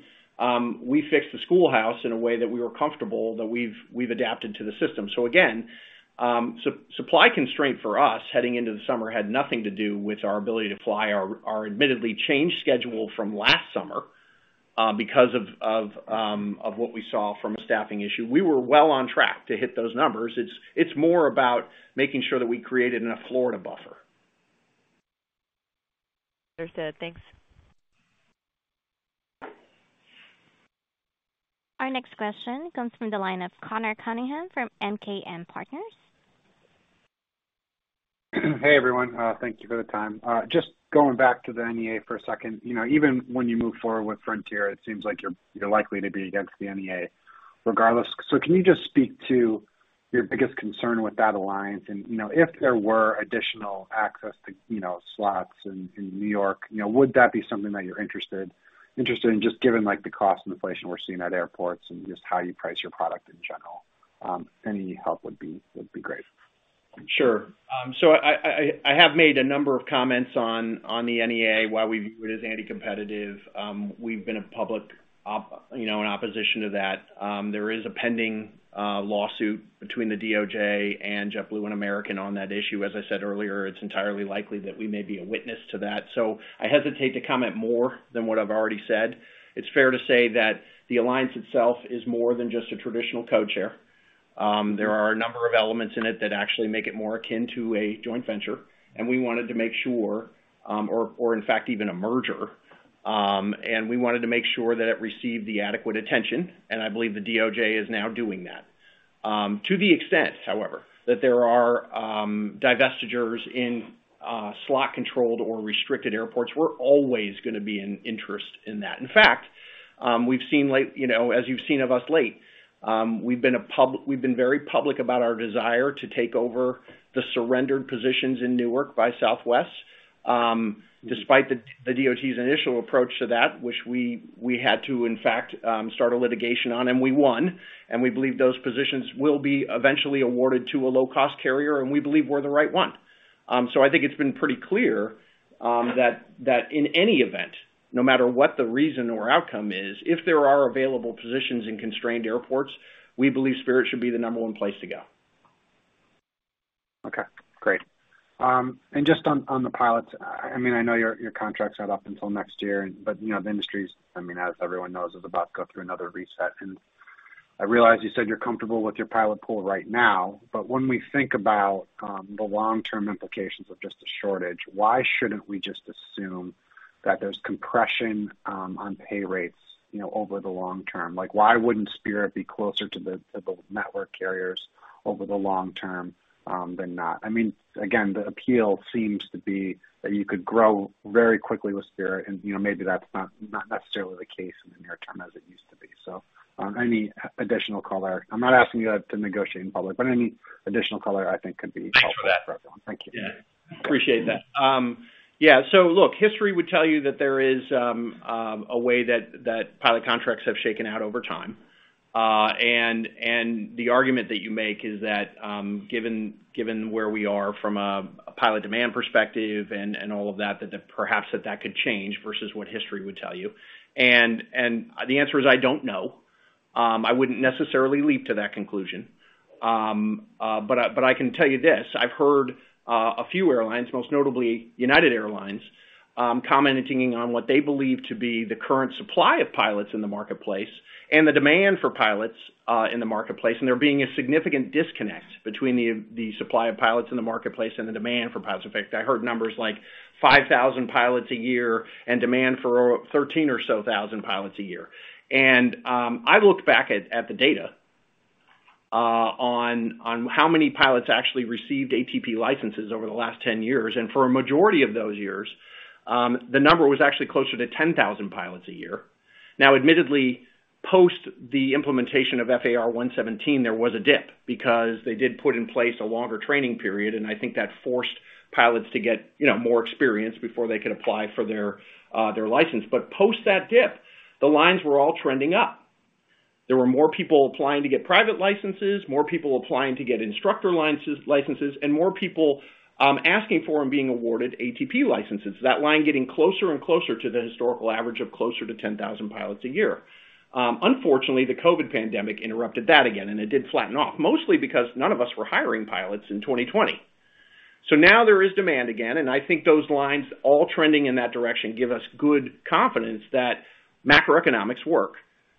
we fixed the schoolhouse in a way that we were comfortable, that we've adapted to the system. Again, supply constraint for us heading into the summer had nothing to do with our ability to fly our admittedly changed schedule from last summer because of what we saw from a staffing issue. We were well on track to hit those numbers. It's more about making sure that we created enough Florida buffer. Understood. Thanks. Our next question comes from the line of Conor Cunningham from MKM Partners. Hey, everyone. Thank you for the time. Just going back to the NEA for a second. You know, even when you move forward with Frontier, it seems like you're likely to be against the NEA regardless. Can you just speak to your biggest concern with that alliance? You know, if there were additional access to slots in New York, you know, would that be something that you're interested in just given, like, the cost inflation we're seeing at airports and just how you price your product in general? Any help would be great. Sure. So I have made a number of comments on the NEA, why we view it as anti-competitive. We've been in public you know, in opposition to that. There is a pending lawsuit between the DOJ and JetBlue and American on that issue. As I said earlier, it's entirely likely that we may be a witness to that. I hesitate to comment more than what I've already said. It's fair to say that the alliance itself is more than just a traditional code share. There are a number of elements in it that actually make it more akin to a joint venture, and we wanted to make sure or in fact even a merger, and we wanted to make sure that it received the adequate attention, and I believe the DOJ is now doing that. To the extent, however, that there are divestitures in slot-controlled or restricted airports, we're always gonna be interested in that. In fact, you know, as you've seen from us lately, we've been very public about our desire to take over the surrendered positions in Newark by Southwest, despite the DOT's initial approach to that, which we had to, in fact, start a litigation on, and we won. We believe those positions will be eventually awarded to a low-cost carrier, and we believe we're the right one. I think it's been pretty clear that in any event, no matter what the reason or outcome is, if there are available positions in constrained airports, we believe Spirit should be the number one place to go. Okay, great. Just on the pilots, I mean, I know your contract's not up until next year, but you know, the industry's, I mean, as everyone knows, is about to go through another reset. I realize you said you're comfortable with your pilot pool right now, but when we think about the long-term implications of just a shortage, why shouldn't we just assume that there's compression on pay rates, you know, over the long term? Like, why wouldn't Spirit be closer to the network carriers over the long term than not? I mean, again, the appeal seems to be that you could grow very quickly with Spirit and, you know, maybe that's not necessarily the case in the near term as it used to be. Any additional color? I'm not asking you to negotiate in public, but any additional color I think could be helpful for everyone. Thanks for that. Thank you. Yeah. Appreciate that. So look, history would tell you that there is a way that pilot contracts have shaken out over time. The argument that you make is that, given where we are from a pilot demand perspective and all of that perhaps that could change versus what history would tell you. The answer is, I don't know. I wouldn't necessarily leap to that conclusion. I can tell you this, I've heard a few airlines, most notably United Airlines, commenting on what they believe to be the current supply of pilots in the marketplace and the demand for pilots in the marketplace, and there being a significant disconnect between the supply of pilots in the marketplace and the demand for pilots. In fact, I heard numbers like 5,000 pilots a year and demand for 13,000 or so pilots a year. I looked back at the data on how many pilots actually received ATP licenses over the last 10 years. For a majority of those years, the number was actually closer to 10,000 pilots a year. Now, admittedly, post the implementation of FAR 117, there was a dip because they did put in place a longer training period, and I think that forced pilots to get, you know, more experience before they could apply for their license. Post that dip, the lines were all trending up. There were more people applying to get private licenses, more people applying to get instructor licenses, and more people asking for and being awarded ATP licenses. That line getting closer and closer to the historical average of closer to 10,000 pilots a year. Unfortunately, the COVID pandemic interrupted that again, and it did flatten off, mostly because none of us were hiring pilots in 2020. Now there is demand again, and I think those lines all trending in that direction give us good confidence that macroeconomics work.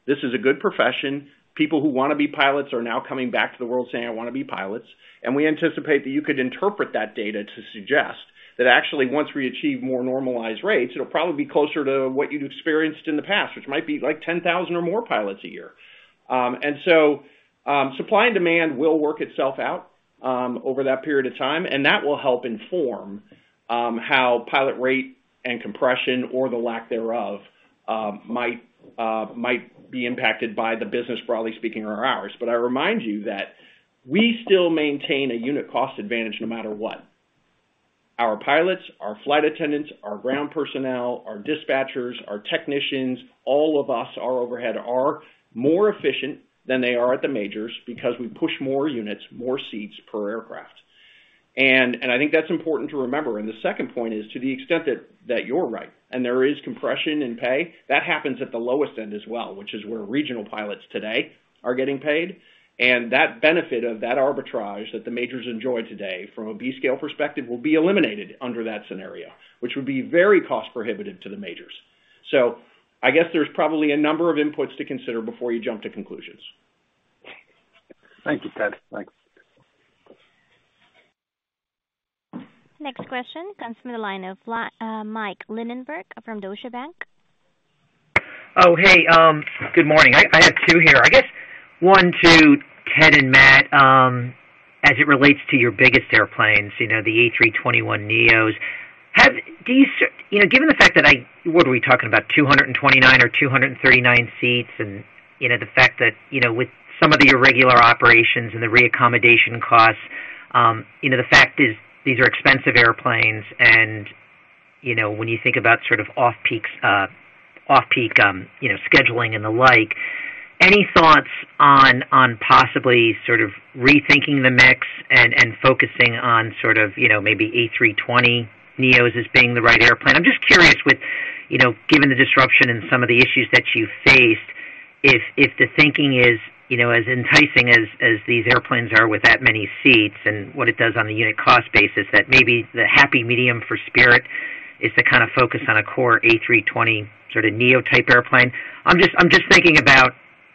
This is a good profession. People who wanna be pilots are now coming back to the world saying, "I wanna be pilots." We anticipate that you could interpret that data to suggest that actually once we achieve more normalized rates, it'll probably be closer to what you'd experienced in the past, which might be like 10,000 or more pilots a year. Supply and demand will work itself out over that period of time, and that will help inform how pilot rate and compression or the lack thereof might be impacted by the business, broadly speaking, or ours. I remind you that we still maintain a unit cost advantage no matter what. Our pilots, our flight attendants, our ground personnel, our dispatchers, our technicians, all of us are overhead, are more efficient than they are at the majors because we push more units, more seats per aircraft. I think that's important to remember. The second point is to the extent that you're right, and there is compression in pay, that happens at the lowest end as well, which is where regional pilots today are getting paid. that benefit of that arbitrage that the majors enjoy today from a B scale perspective will be eliminated under that scenario, which would be very cost prohibitive to the majors. I guess there's probably a number of inputs to consider before you jump to conclusions. Thank you, Ted. Thanks. Next question comes from the line of Michael Linenberg from Deutsche Bank. Good morning. I have two here, I guess one to Ted and Matt, as it relates to your biggest airplanes, you know, the A321neos. Do you see, given the fact that what are we talking about? 229 or 239 seats, and, you know, the fact that, you know, with some of the irregular operations and the reaccommodation costs, you know, the fact is these are expensive airplanes and, you know, when you think about sort of off-peak, you know, scheduling and the like, any thoughts on possibly sort of rethinking the mix and focusing on sort of, you know, maybe A320neos as being the right airplane? I'm just curious with, you know, given the disruption in some of the issues that you faced, if the thinking is, you know, as enticing as these airplanes are with that many seats and what it does on a unit cost basis, that maybe the happy medium for Spirit is to kind of focus on a core A320neo-type airplane. I'm just thinking about,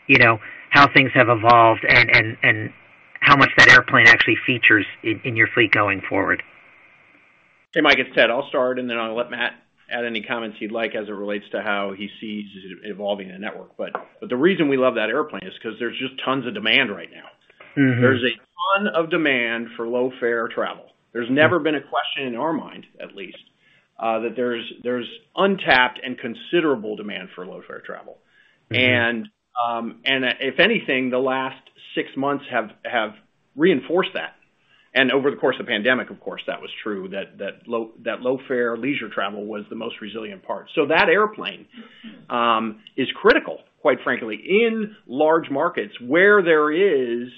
you know, how things have evolved and how much that airplane actually features in your fleet going forward. Hey, Mike, it's Ted. I'll start, and then I'll let Matt add any comments he'd like as it relates to how he sees it evolving the network. The reason we love that airplane is 'cause there's just tons of demand right now. Mm-hmm. There's a ton of demand for low-fare travel. There's never been a question in our mind, at least, that there's untapped and considerable demand for low-fare travel. Mm-hmm. If anything, the last six months have reinforced that. Over the course of pandemic, of course, that was true, that low-fare leisure travel was the most resilient part. That airplane is critical, quite frankly, in large markets where there is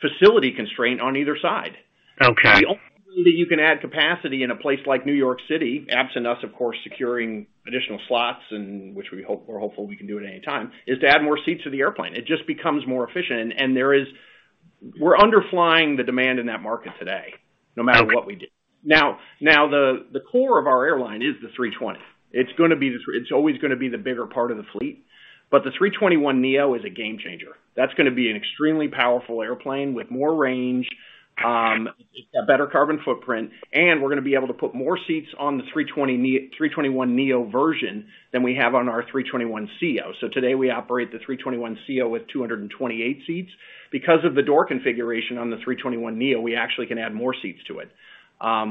facility constraint on either side. Okay. The only way that you can add capacity in a place like New York City, absent us, of course, securing additional slots, and which we hope we're hopeful we can do at any time, is to add more seats to the airplane. It just becomes more efficient. We're underflying the demand in that market today, no matter what we do. Now, the core of our airline is the A320. It's gonna be. It's always gonna be the bigger part of the fleet. But the A321neo is a game changer. That's gonna be an extremely powerful airplane with more range, a better carbon footprint, and we're gonna be able to put more seats on the A321neo version than we have on our A321ceo. Today we operate the A321ceo with 228 seats. Because of the door configuration on the A321neo, we actually can add more seats to it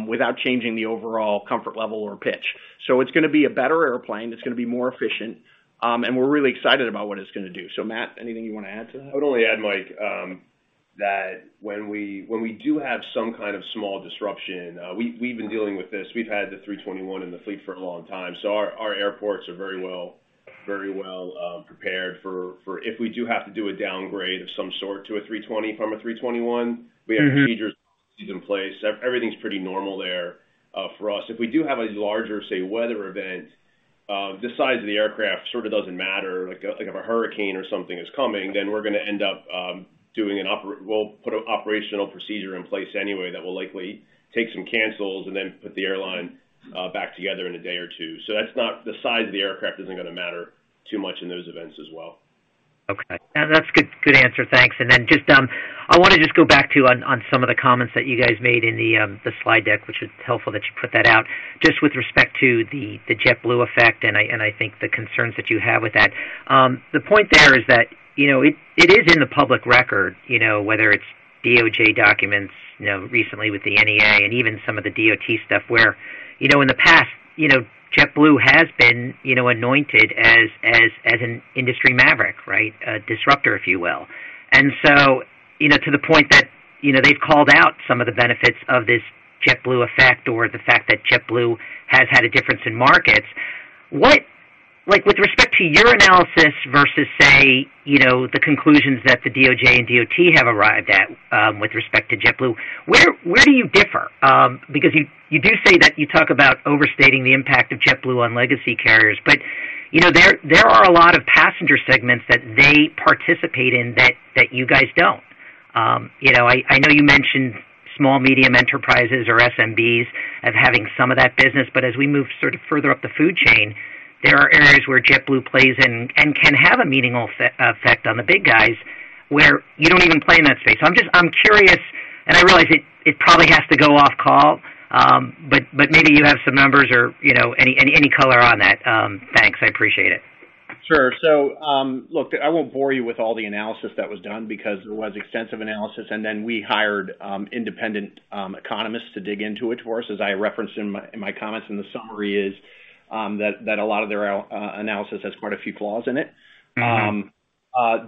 without changing the overall comfort level or pitch. It's gonna be a better airplane, it's gonna be more efficient, and we're really excited about what it's gonna do. Matt, anything you wanna add to that? I would only add, Mike, that when we do have some kind of small disruption, we've been dealing with this. We've had the A321 in the fleet for a long time, so our airports are very well prepared for if we do have to do a downgrade of some sort to a A320 from a A321, we have procedures in place. Everything's pretty normal there for us. If we do have a larger, say, weather event, the size of the aircraft sort of doesn't matter. Like, if a hurricane or something is coming, then we're gonna end up doing an We'll put an operational procedure in place anyway that will likely take some cancels and then put the airline back together in a day or two. That's not the size of the aircraft isn't gonna matter too much in those events as well. Okay. That's a good answer. Thanks. I wanna just go back to some of the comments that you guys made in the slide deck, which is helpful that you put that out, just with respect to the JetBlue Effect, and I think the concerns that you have with that. The point there is that, you know, it is in the public record, you know, whether it's DOJ documents, you know, recently with the NEA and even some of the DOT stuff where, you know, in the past, you know, JetBlue has been, you know, anointed as an industry maverick, right? A disruptor, if you will. You know, to the point that, you know, they've called out some of the benefits of this JetBlue Effect or the fact that JetBlue has had a difference in markets. Like, with respect to your analysis versus, say, you know, the conclusions that the DOJ and DOT have arrived at, with respect to JetBlue, where do you differ? Because you do say that you talk about overstating the impact of JetBlue on legacy carriers, but, you know, there are a lot of passenger segments that they participate in that you guys don't. I know you mentioned small, medium enterprises or SMBs as having some of that business, but as we move sort of further up the food chain, there are areas where JetBlue plays in and can have a meaningful effect on the big guys where you don't even play in that space. I'm curious, and I realize it probably has to go off call, but maybe you have some numbers or, you know, any color on that. Thanks. I appreciate it. Sure. Look, I won't bore you with all the analysis that was done because it was extensive analysis, and then we hired independent economists to dig into it for us. As I referenced in my comments in the summary is that a lot of their analysis has quite a few flaws in it. Mm-hmm.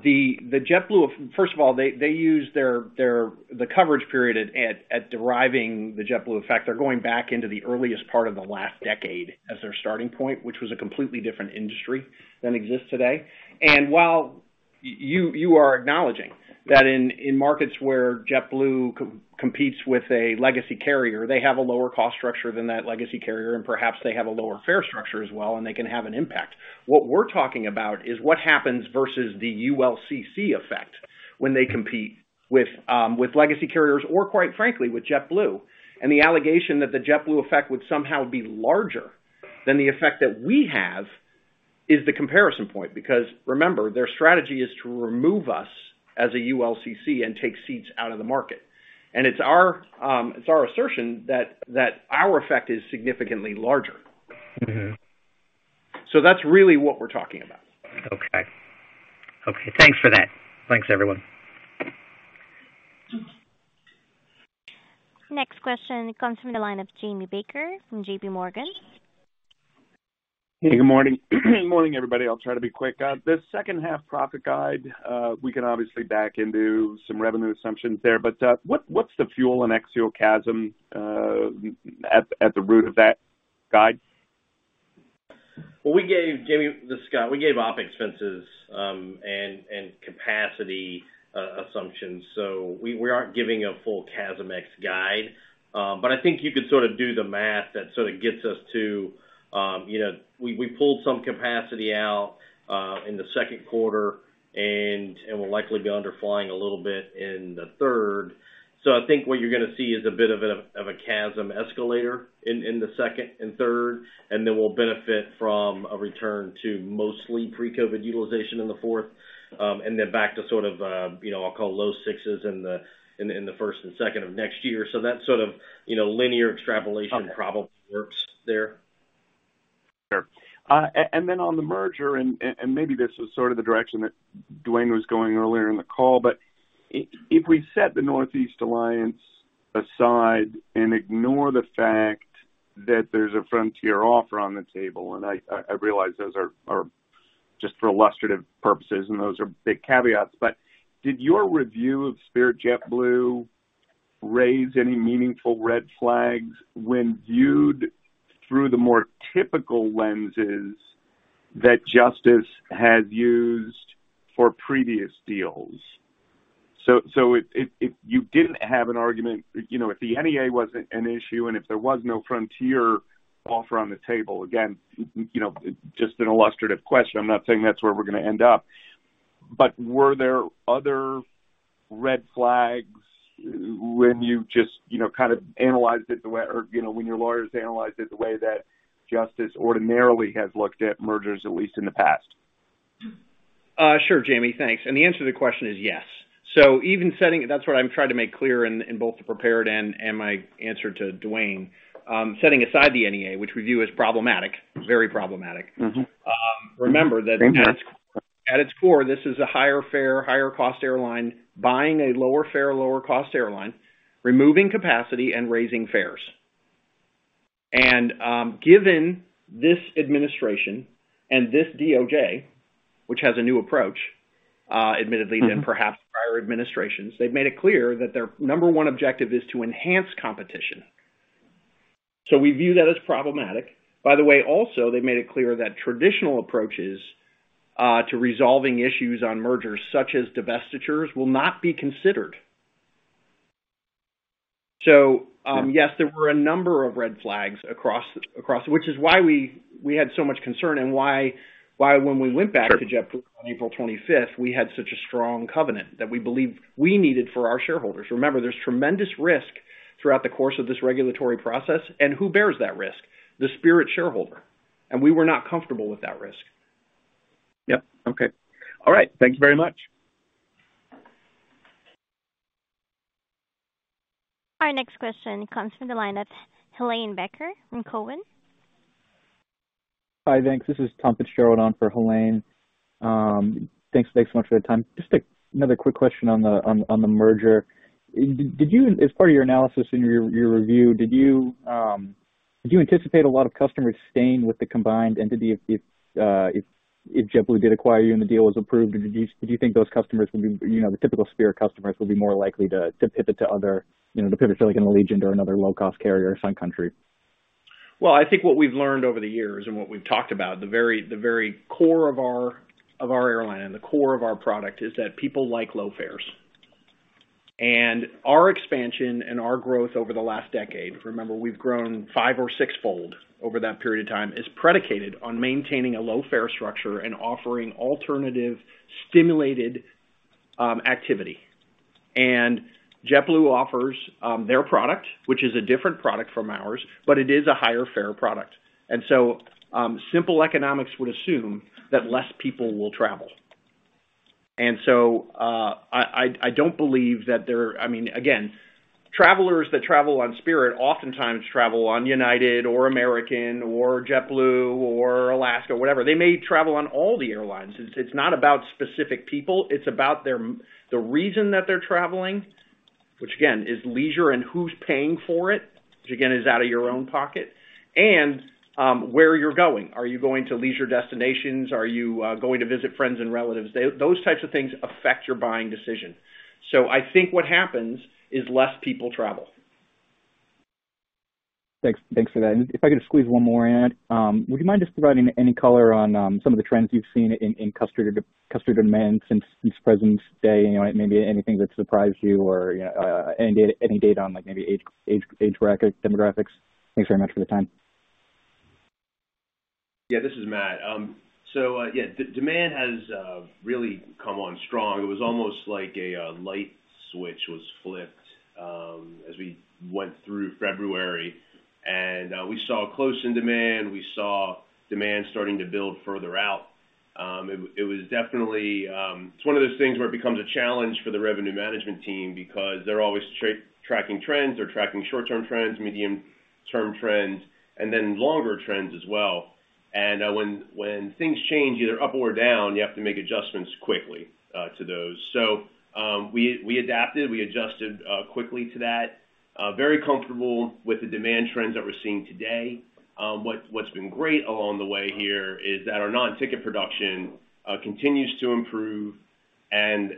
The JetBlue first of all, they use their the coverage period in deriving the JetBlue Effect. They're going back into the earliest part of the last decade as their starting point, which was a completely different industry than exists today. While you are acknowledging that in markets where JetBlue competes with a legacy carrier, they have a lower cost structure than that legacy carrier, and perhaps they have a lower fare structure as well, and they can have an impact. What we're talking about is what happens versus the ULCC effect when they compete with legacy carriers or quite frankly, with JetBlue. The allegation that the JetBlue Effect would somehow be larger than the effect that we have is the comparison point. Because remember, their strategy is to remove us as a ULCC and take seats out of the market. It's our assertion that our effect is significantly larger. Mm-hmm. That's really what we're talking about. Okay, thanks for that. Thanks, everyone. Next question comes from the line of Jamie Baker from JPMorgan. Hey, good morning. Good morning, everybody. I'll try to be quick. The second half profit guide, we can obviously back into some revenue assumptions there, but what's the fuel and ex-CASM at the root of that guide? Well, we gave Jamie. This is Scott. We gave OpEx and capacity assumptions, so we aren't giving a full CASM ex guide. I think you could sort of do the math that sort of gets us to, you know. We pulled some capacity out in the second quarter and we'll likely be under flying a little bit in the third. I think what you're gonna see is a bit of a CASM escalator in the second and third, and then we'll benefit from a return to mostly pre-COVID utilization in the fourth, and then back to sort of, you know, I'll call low sixes in the first and second of next year. That sort of linear extrapolation probably works there. Sure. Then on the merger, maybe this is sort of the direction that Duane was going earlier in the call, but if we set the Northeast Alliance aside and ignore the fact that there's a Frontier offer on the table, and I realize those are just for illustrative purposes, and those are big caveats, but did your review of Spirit JetBlue raise any meaningful red flags when viewed through the more typical lenses that Justice has used for previous deals? If you didn't have an argument, you know, if the NEA wasn't an issue and if there was no Frontier offer on the table, again, you know, just an illustrative question, I'm not saying that's where we're gonna end up, but were there other red flags when you just, you know, kind of analyzed it the way or, you know, when your lawyers analyzed it the way that Justice ordinarily has looked at mergers, at least in the past? Sure, Jamie. Thanks. The answer to the question is yes. That's what I'm trying to make clear in both the prepared and my answer to Duane. Setting aside the NEA, which we view as problematic, very problematic. Mm-hmm Remember that at its core, this is a higher fare, higher cost airline buying a lower fare, lower cost airline, removing capacity and raising fares. Given this administration and this DOJ, which has a new approach, admittedly than perhaps prior administrations, they've made it clear that their number one objective is to enhance competition. We view that as problematic. By the way, also, they made it clear that traditional approaches to resolving issues on mergers such as divestitures will not be considered. Yes, there were a number of red flags across which is why we had so much concern and why when we went back to JetBlue on April 25, we had such a strong covenant that we believe we needed for our shareholders. Remember, there's tremendous risk throughout the course of this regulatory process and who bears that risk? The Spirit shareholder, and we were not comfortable with that risk. Yep. Okay. All right. Thank you very much. Our next question comes from the line of Helane Becker from TD Cowen. Hi, thanks. This is Tom Fitzgerald on for Helane Becker. Thanks so much for the time. Just another quick question on the merger. Did you as part of your analysis in your review, did you anticipate a lot of customers staying with the combined entity if JetBlue did acquire you and the deal was approved? Do you think those customers would be, you know, the typical Spirit customers would be more likely to pivot to other, you know, to pivot to like an Allegiant or another low-cost carrier, Sun Country? Well, I think what we've learned over the years and what we've talked about, the very core of our airline and the core of our product is that people like low fares. Our expansion and our growth over the last decade, remember, we've grown five or six-fold over that period of time, is predicated on maintaining a low fare structure and offering alternative stimulated activity. JetBlue offers their product, which is a different product from ours, but it is a higher fare product. Simple economics would assume that less people will travel. I don't believe that. I mean, again, travelers that travel on Spirit oftentimes travel on United or American or JetBlue or Alaska, whatever. They may travel on all the airlines. It's not about specific people, it's about the reason that they're traveling. Which again, is leisure and who's paying for it, which again, is out of your own pocket, and where you're going. Are you going to leisure destinations? Are you going to visit friends and relatives? Those types of things affect your buying decision. I think what happens is less people travel. Thanks for that. If I could squeeze one more in. Would you mind just providing any color on some of the trends you've seen in customer demand since present day? You know, maybe anything that surprised you or any data on, like, maybe age bracket demographics. Thanks very much for the time. Yeah, this is Matt. Demand has really come on strong. It was almost like a light switch was flipped as we went through February, and we saw close-in demand. We saw demand starting to build further out. It was definitely one of those things where it becomes a challenge for the revenue management team because they're always tracking trends. They're tracking short-term trends, medium-term trends, and then longer trends as well. When things change, either up or down, you have to make adjustments quickly to those. We adapted, we adjusted quickly to that. Very comfortable with the demand trends that we're seeing today. What's been great along the way here is that our non-ticket production continues to improve and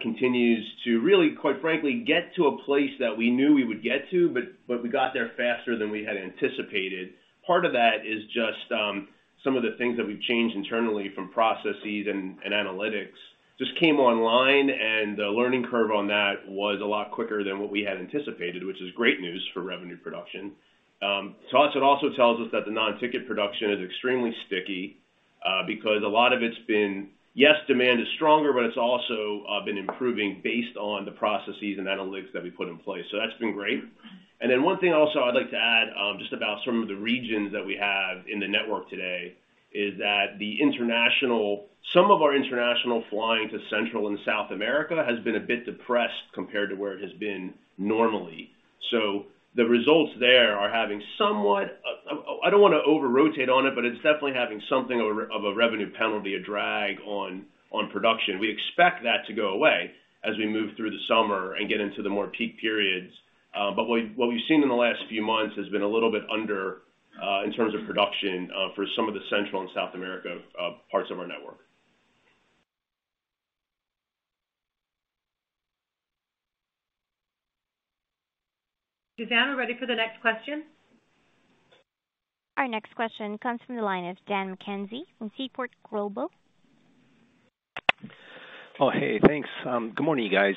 continues to really, quite frankly, get to a place that we knew we would get to, but we got there faster than we had anticipated. Part of that is just some of the things that we've changed internally from processes and analytics. Just came online, and the learning curve on that was a lot quicker than what we had anticipated, which is great news for revenue production. To us, it also tells us that the non-ticket production is extremely sticky because a lot of it's been, yes, demand is stronger, but it's also been improving based on the processes and analytics that we put in place. That's been great. One thing also I'd like to add, just about some of the regions that we have in the network today is that some of our international flying to Central and South America has been a bit depressed compared to where it has been normally. I don't wanna over-rotate on it, but it's definitely having something of a revenue penalty, a drag on production. We expect that to go away as we move through the summer and get into the more peak periods. What we've seen in the last few months has been a little bit under in terms of production for some of the Central and South America parts of our network. Suzanne, we're ready for the next question. Our next question comes from the line of Dan McKenzie from Seaport Global. Oh, hey, thanks. Good morning, you guys.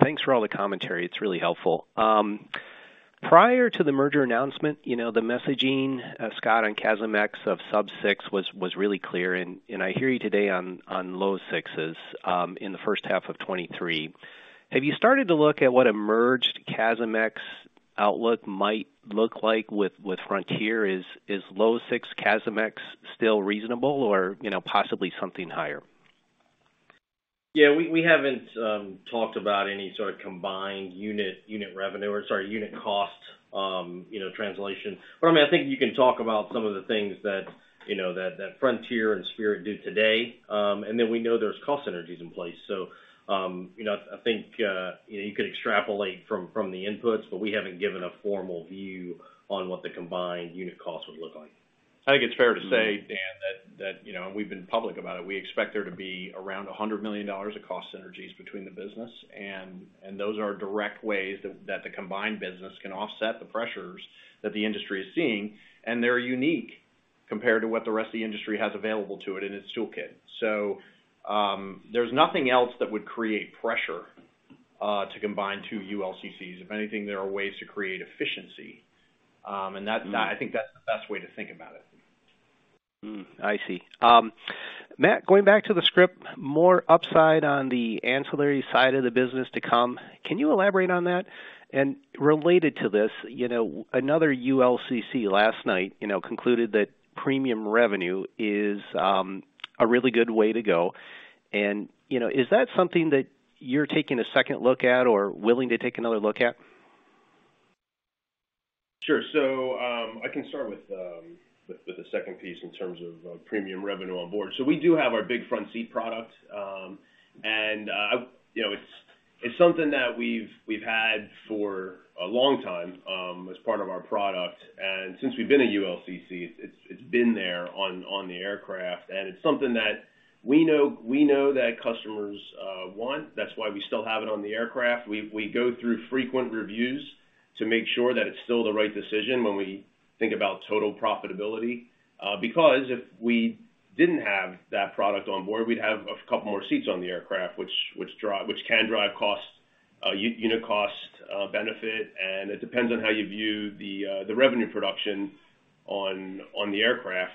Thanks for all the commentary. It's really helpful. Prior to the merger announcement, you know, the messaging, Scott, on CASM ex of sub-6 was really clear, and I hear you today on low sixes in the first half of 2023. Have you started to look at what a merged CASM ex outlook might look like with Frontier? Is low six CASM ex still reasonable or, you know, possibly something higher? Yeah, we haven't talked about any sort of combined unit cost, you know, translation. I mean, I think you can talk about some of the things that you know that Frontier and Spirit do today. We know there's cost synergies in place. You know, I think you know you could extrapolate from the inputs, but we haven't given a formal view on what the combined unit costs would look like. I think it's fair to say, Dan, that you know, we've been public about it, we expect there to be around $100 million of cost synergies between the business, and those are direct ways that the combined business can offset the pressures that the industry is seeing, and they're unique compared to what the rest of the industry has available to it in its toolkit. There's nothing else that would create pressure to combine two ULCCs. If anything, there are ways to create efficiency. Mm-hmm. I think that's the best way to think about it. I see. Matt, going back to the script, more upside on the ancillary side of the business to come. Can you elaborate on that? Related to this, you know, another ULCC last night, you know, concluded that premium revenue is a really good way to go. You know, is that something that you're taking a second look at or willing to take another look at? Sure. I can start with the second piece in terms of premium revenue on board. We do have our Big Front Seat product, and you know, it's something that we've had for a long time as part of our product. Since we've been a ULCC, it's been there on the aircraft, and it's something that we know that customers want. That's why we still have it on the aircraft. We go through frequent reviews to make sure that it's still the right decision when we think about total profitability. Because if we didn't have that product on board, we'd have a couple more seats on the aircraft, which can drive cost, unit cost, benefit, and it depends on how you view the revenue production on the aircraft.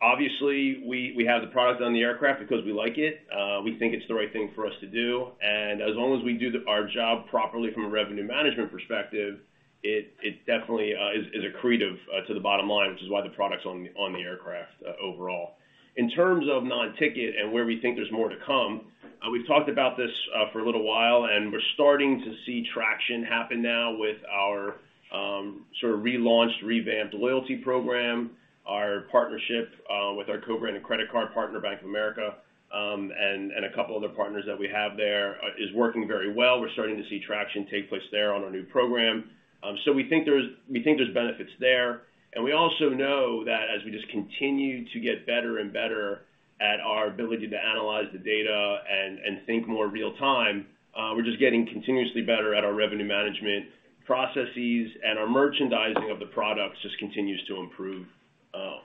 Obviously, we have the product on the aircraft because we like it. We think it's the right thing for us to do. As long as we do our job properly from a revenue management perspective, it definitely is accretive to the bottom line, which is why the product's on the aircraft, overall. In terms of non-ticket and where we think there's more to come, we've talked about this for a little while, and we're starting to see traction happen now with our sort of relaunched, revamped loyalty program. Our partnership with our co-branded credit card partner, Bank of America, and a couple other partners that we have there is working very well. We're starting to see traction take place there on our new program. So we think there's benefits there, and we also know that as we just continue to get better and better at our ability to analyze the data and think more real time, we're just getting continuously better at our revenue management processes and our merchandising of the products just continues to improve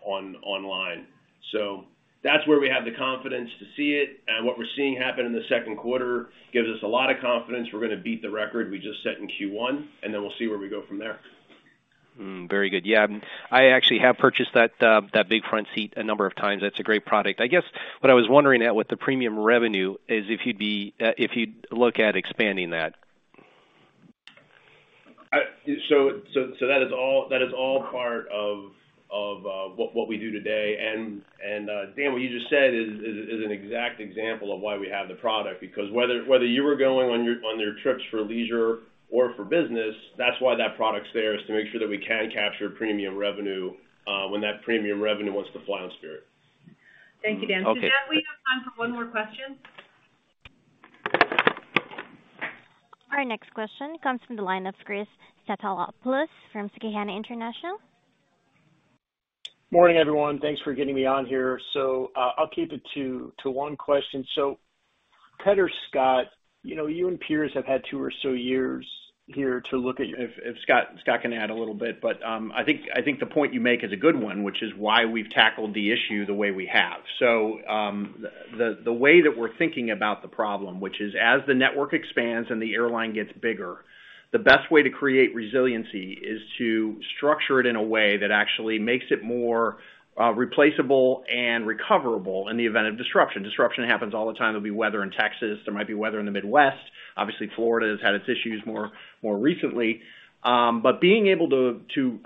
online. So that's where we have the confidence to see it. What we're seeing happen in the second quarter gives us a lot of confidence we're gonna beat the record we just set in Q1, and then we'll see where we go from there. Very good. Yeah. I actually have purchased that Big Front Seat a number of times. That's a great product. I guess what I was wondering at with the premium revenue is if you'd look at expanding that. That is all part of what we do today. Dan, what you just said is an exact example of why we have the product. Because whether you were going on your trips for leisure or for business, that's why that product's there, is to make sure that we can capture premium revenue when that premium revenue wants to fly on Spirit. Thank you, Dan. Okay. With that, we have time for one more question. Our next question comes from the line of Christopher Stathoulopoulos from Susquehanna International Group. Morning, everyone. Thanks for getting me on here. I'll keep it to one question. Ted or Scott, you know, you and peers have had two or so years here to look at- If Scott can add a little bit, but I think the point you make is a good one, which is why we've tackled the issue the way we have. The way that we're thinking about the problem, which is as the network expands and the airline gets bigger, the best way to create resiliency is to structure it in a way that actually makes it more replaceable and recoverable in the event of disruption. Disruption happens all the time. There'll be weather in Texas. There might be weather in the Midwest. Obviously, Florida has had its issues more recently. But being able to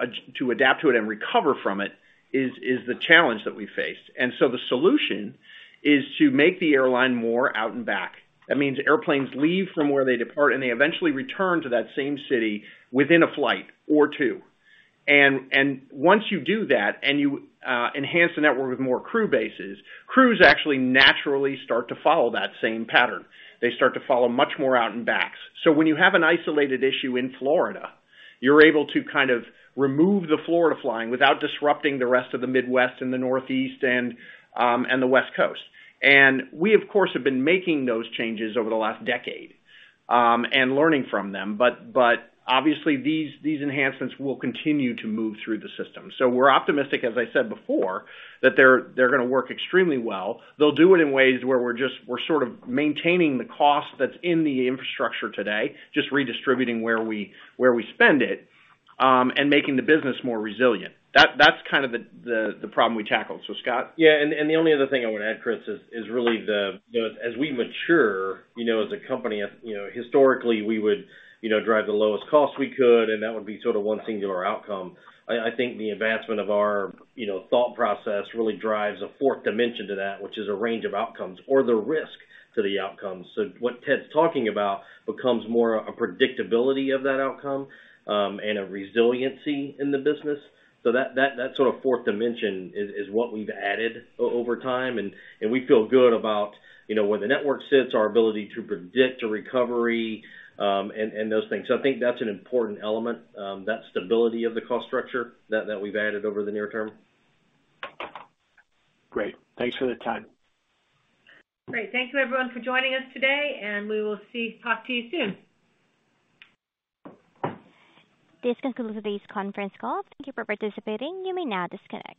adapt to it and recover from it is the challenge that we faced. The solution is to make the airline more out and back. That means airplanes leave from where they depart, and they eventually return to that same city within a flight or two. Once you do that and you enhance the network with more crew bases, crews actually naturally start to follow that same pattern. They start to follow much more out and backs. When you have an isolated issue in Florida, you're able to kind of remove the Florida flying without disrupting the rest of the Midwest and the Northeast and the West Coast. We, of course, have been making those changes over the last decade and learning from them. Obviously these enhancements will continue to move through the system. We're optimistic, as I said before, that they're gonna work extremely well. They'll do it in ways where we're just maintaining the cost that's in the infrastructure today, just redistributing where we spend it, and making the business more resilient. That's kind of the problem we tackled. Scott? Yeah. The only other thing I wanna add, Chris, is really as we mature, you know, as a company, you know, historically we would, you know, drive the lowest cost we could, and that would be sort of one singular outcome. I think the advancement of our, you know, thought process really drives a fourth dimension to that, which is a range of outcomes or the risk to the outcomes. What Ted's talking about becomes more a predictability of that outcome, and a resiliency in the business. That sort of fourth dimension is what we've added over time, and we feel good about, you know, when the network sits, our ability to predict a recovery, and those things. I think that's an important element, that stability of the cost structure that we've added over the near term. Great. Thanks for the time. Great. Thank you everyone for joining us today, and we will talk to you soon. This concludes today's conference call. Thank you for participating. You may now disconnect.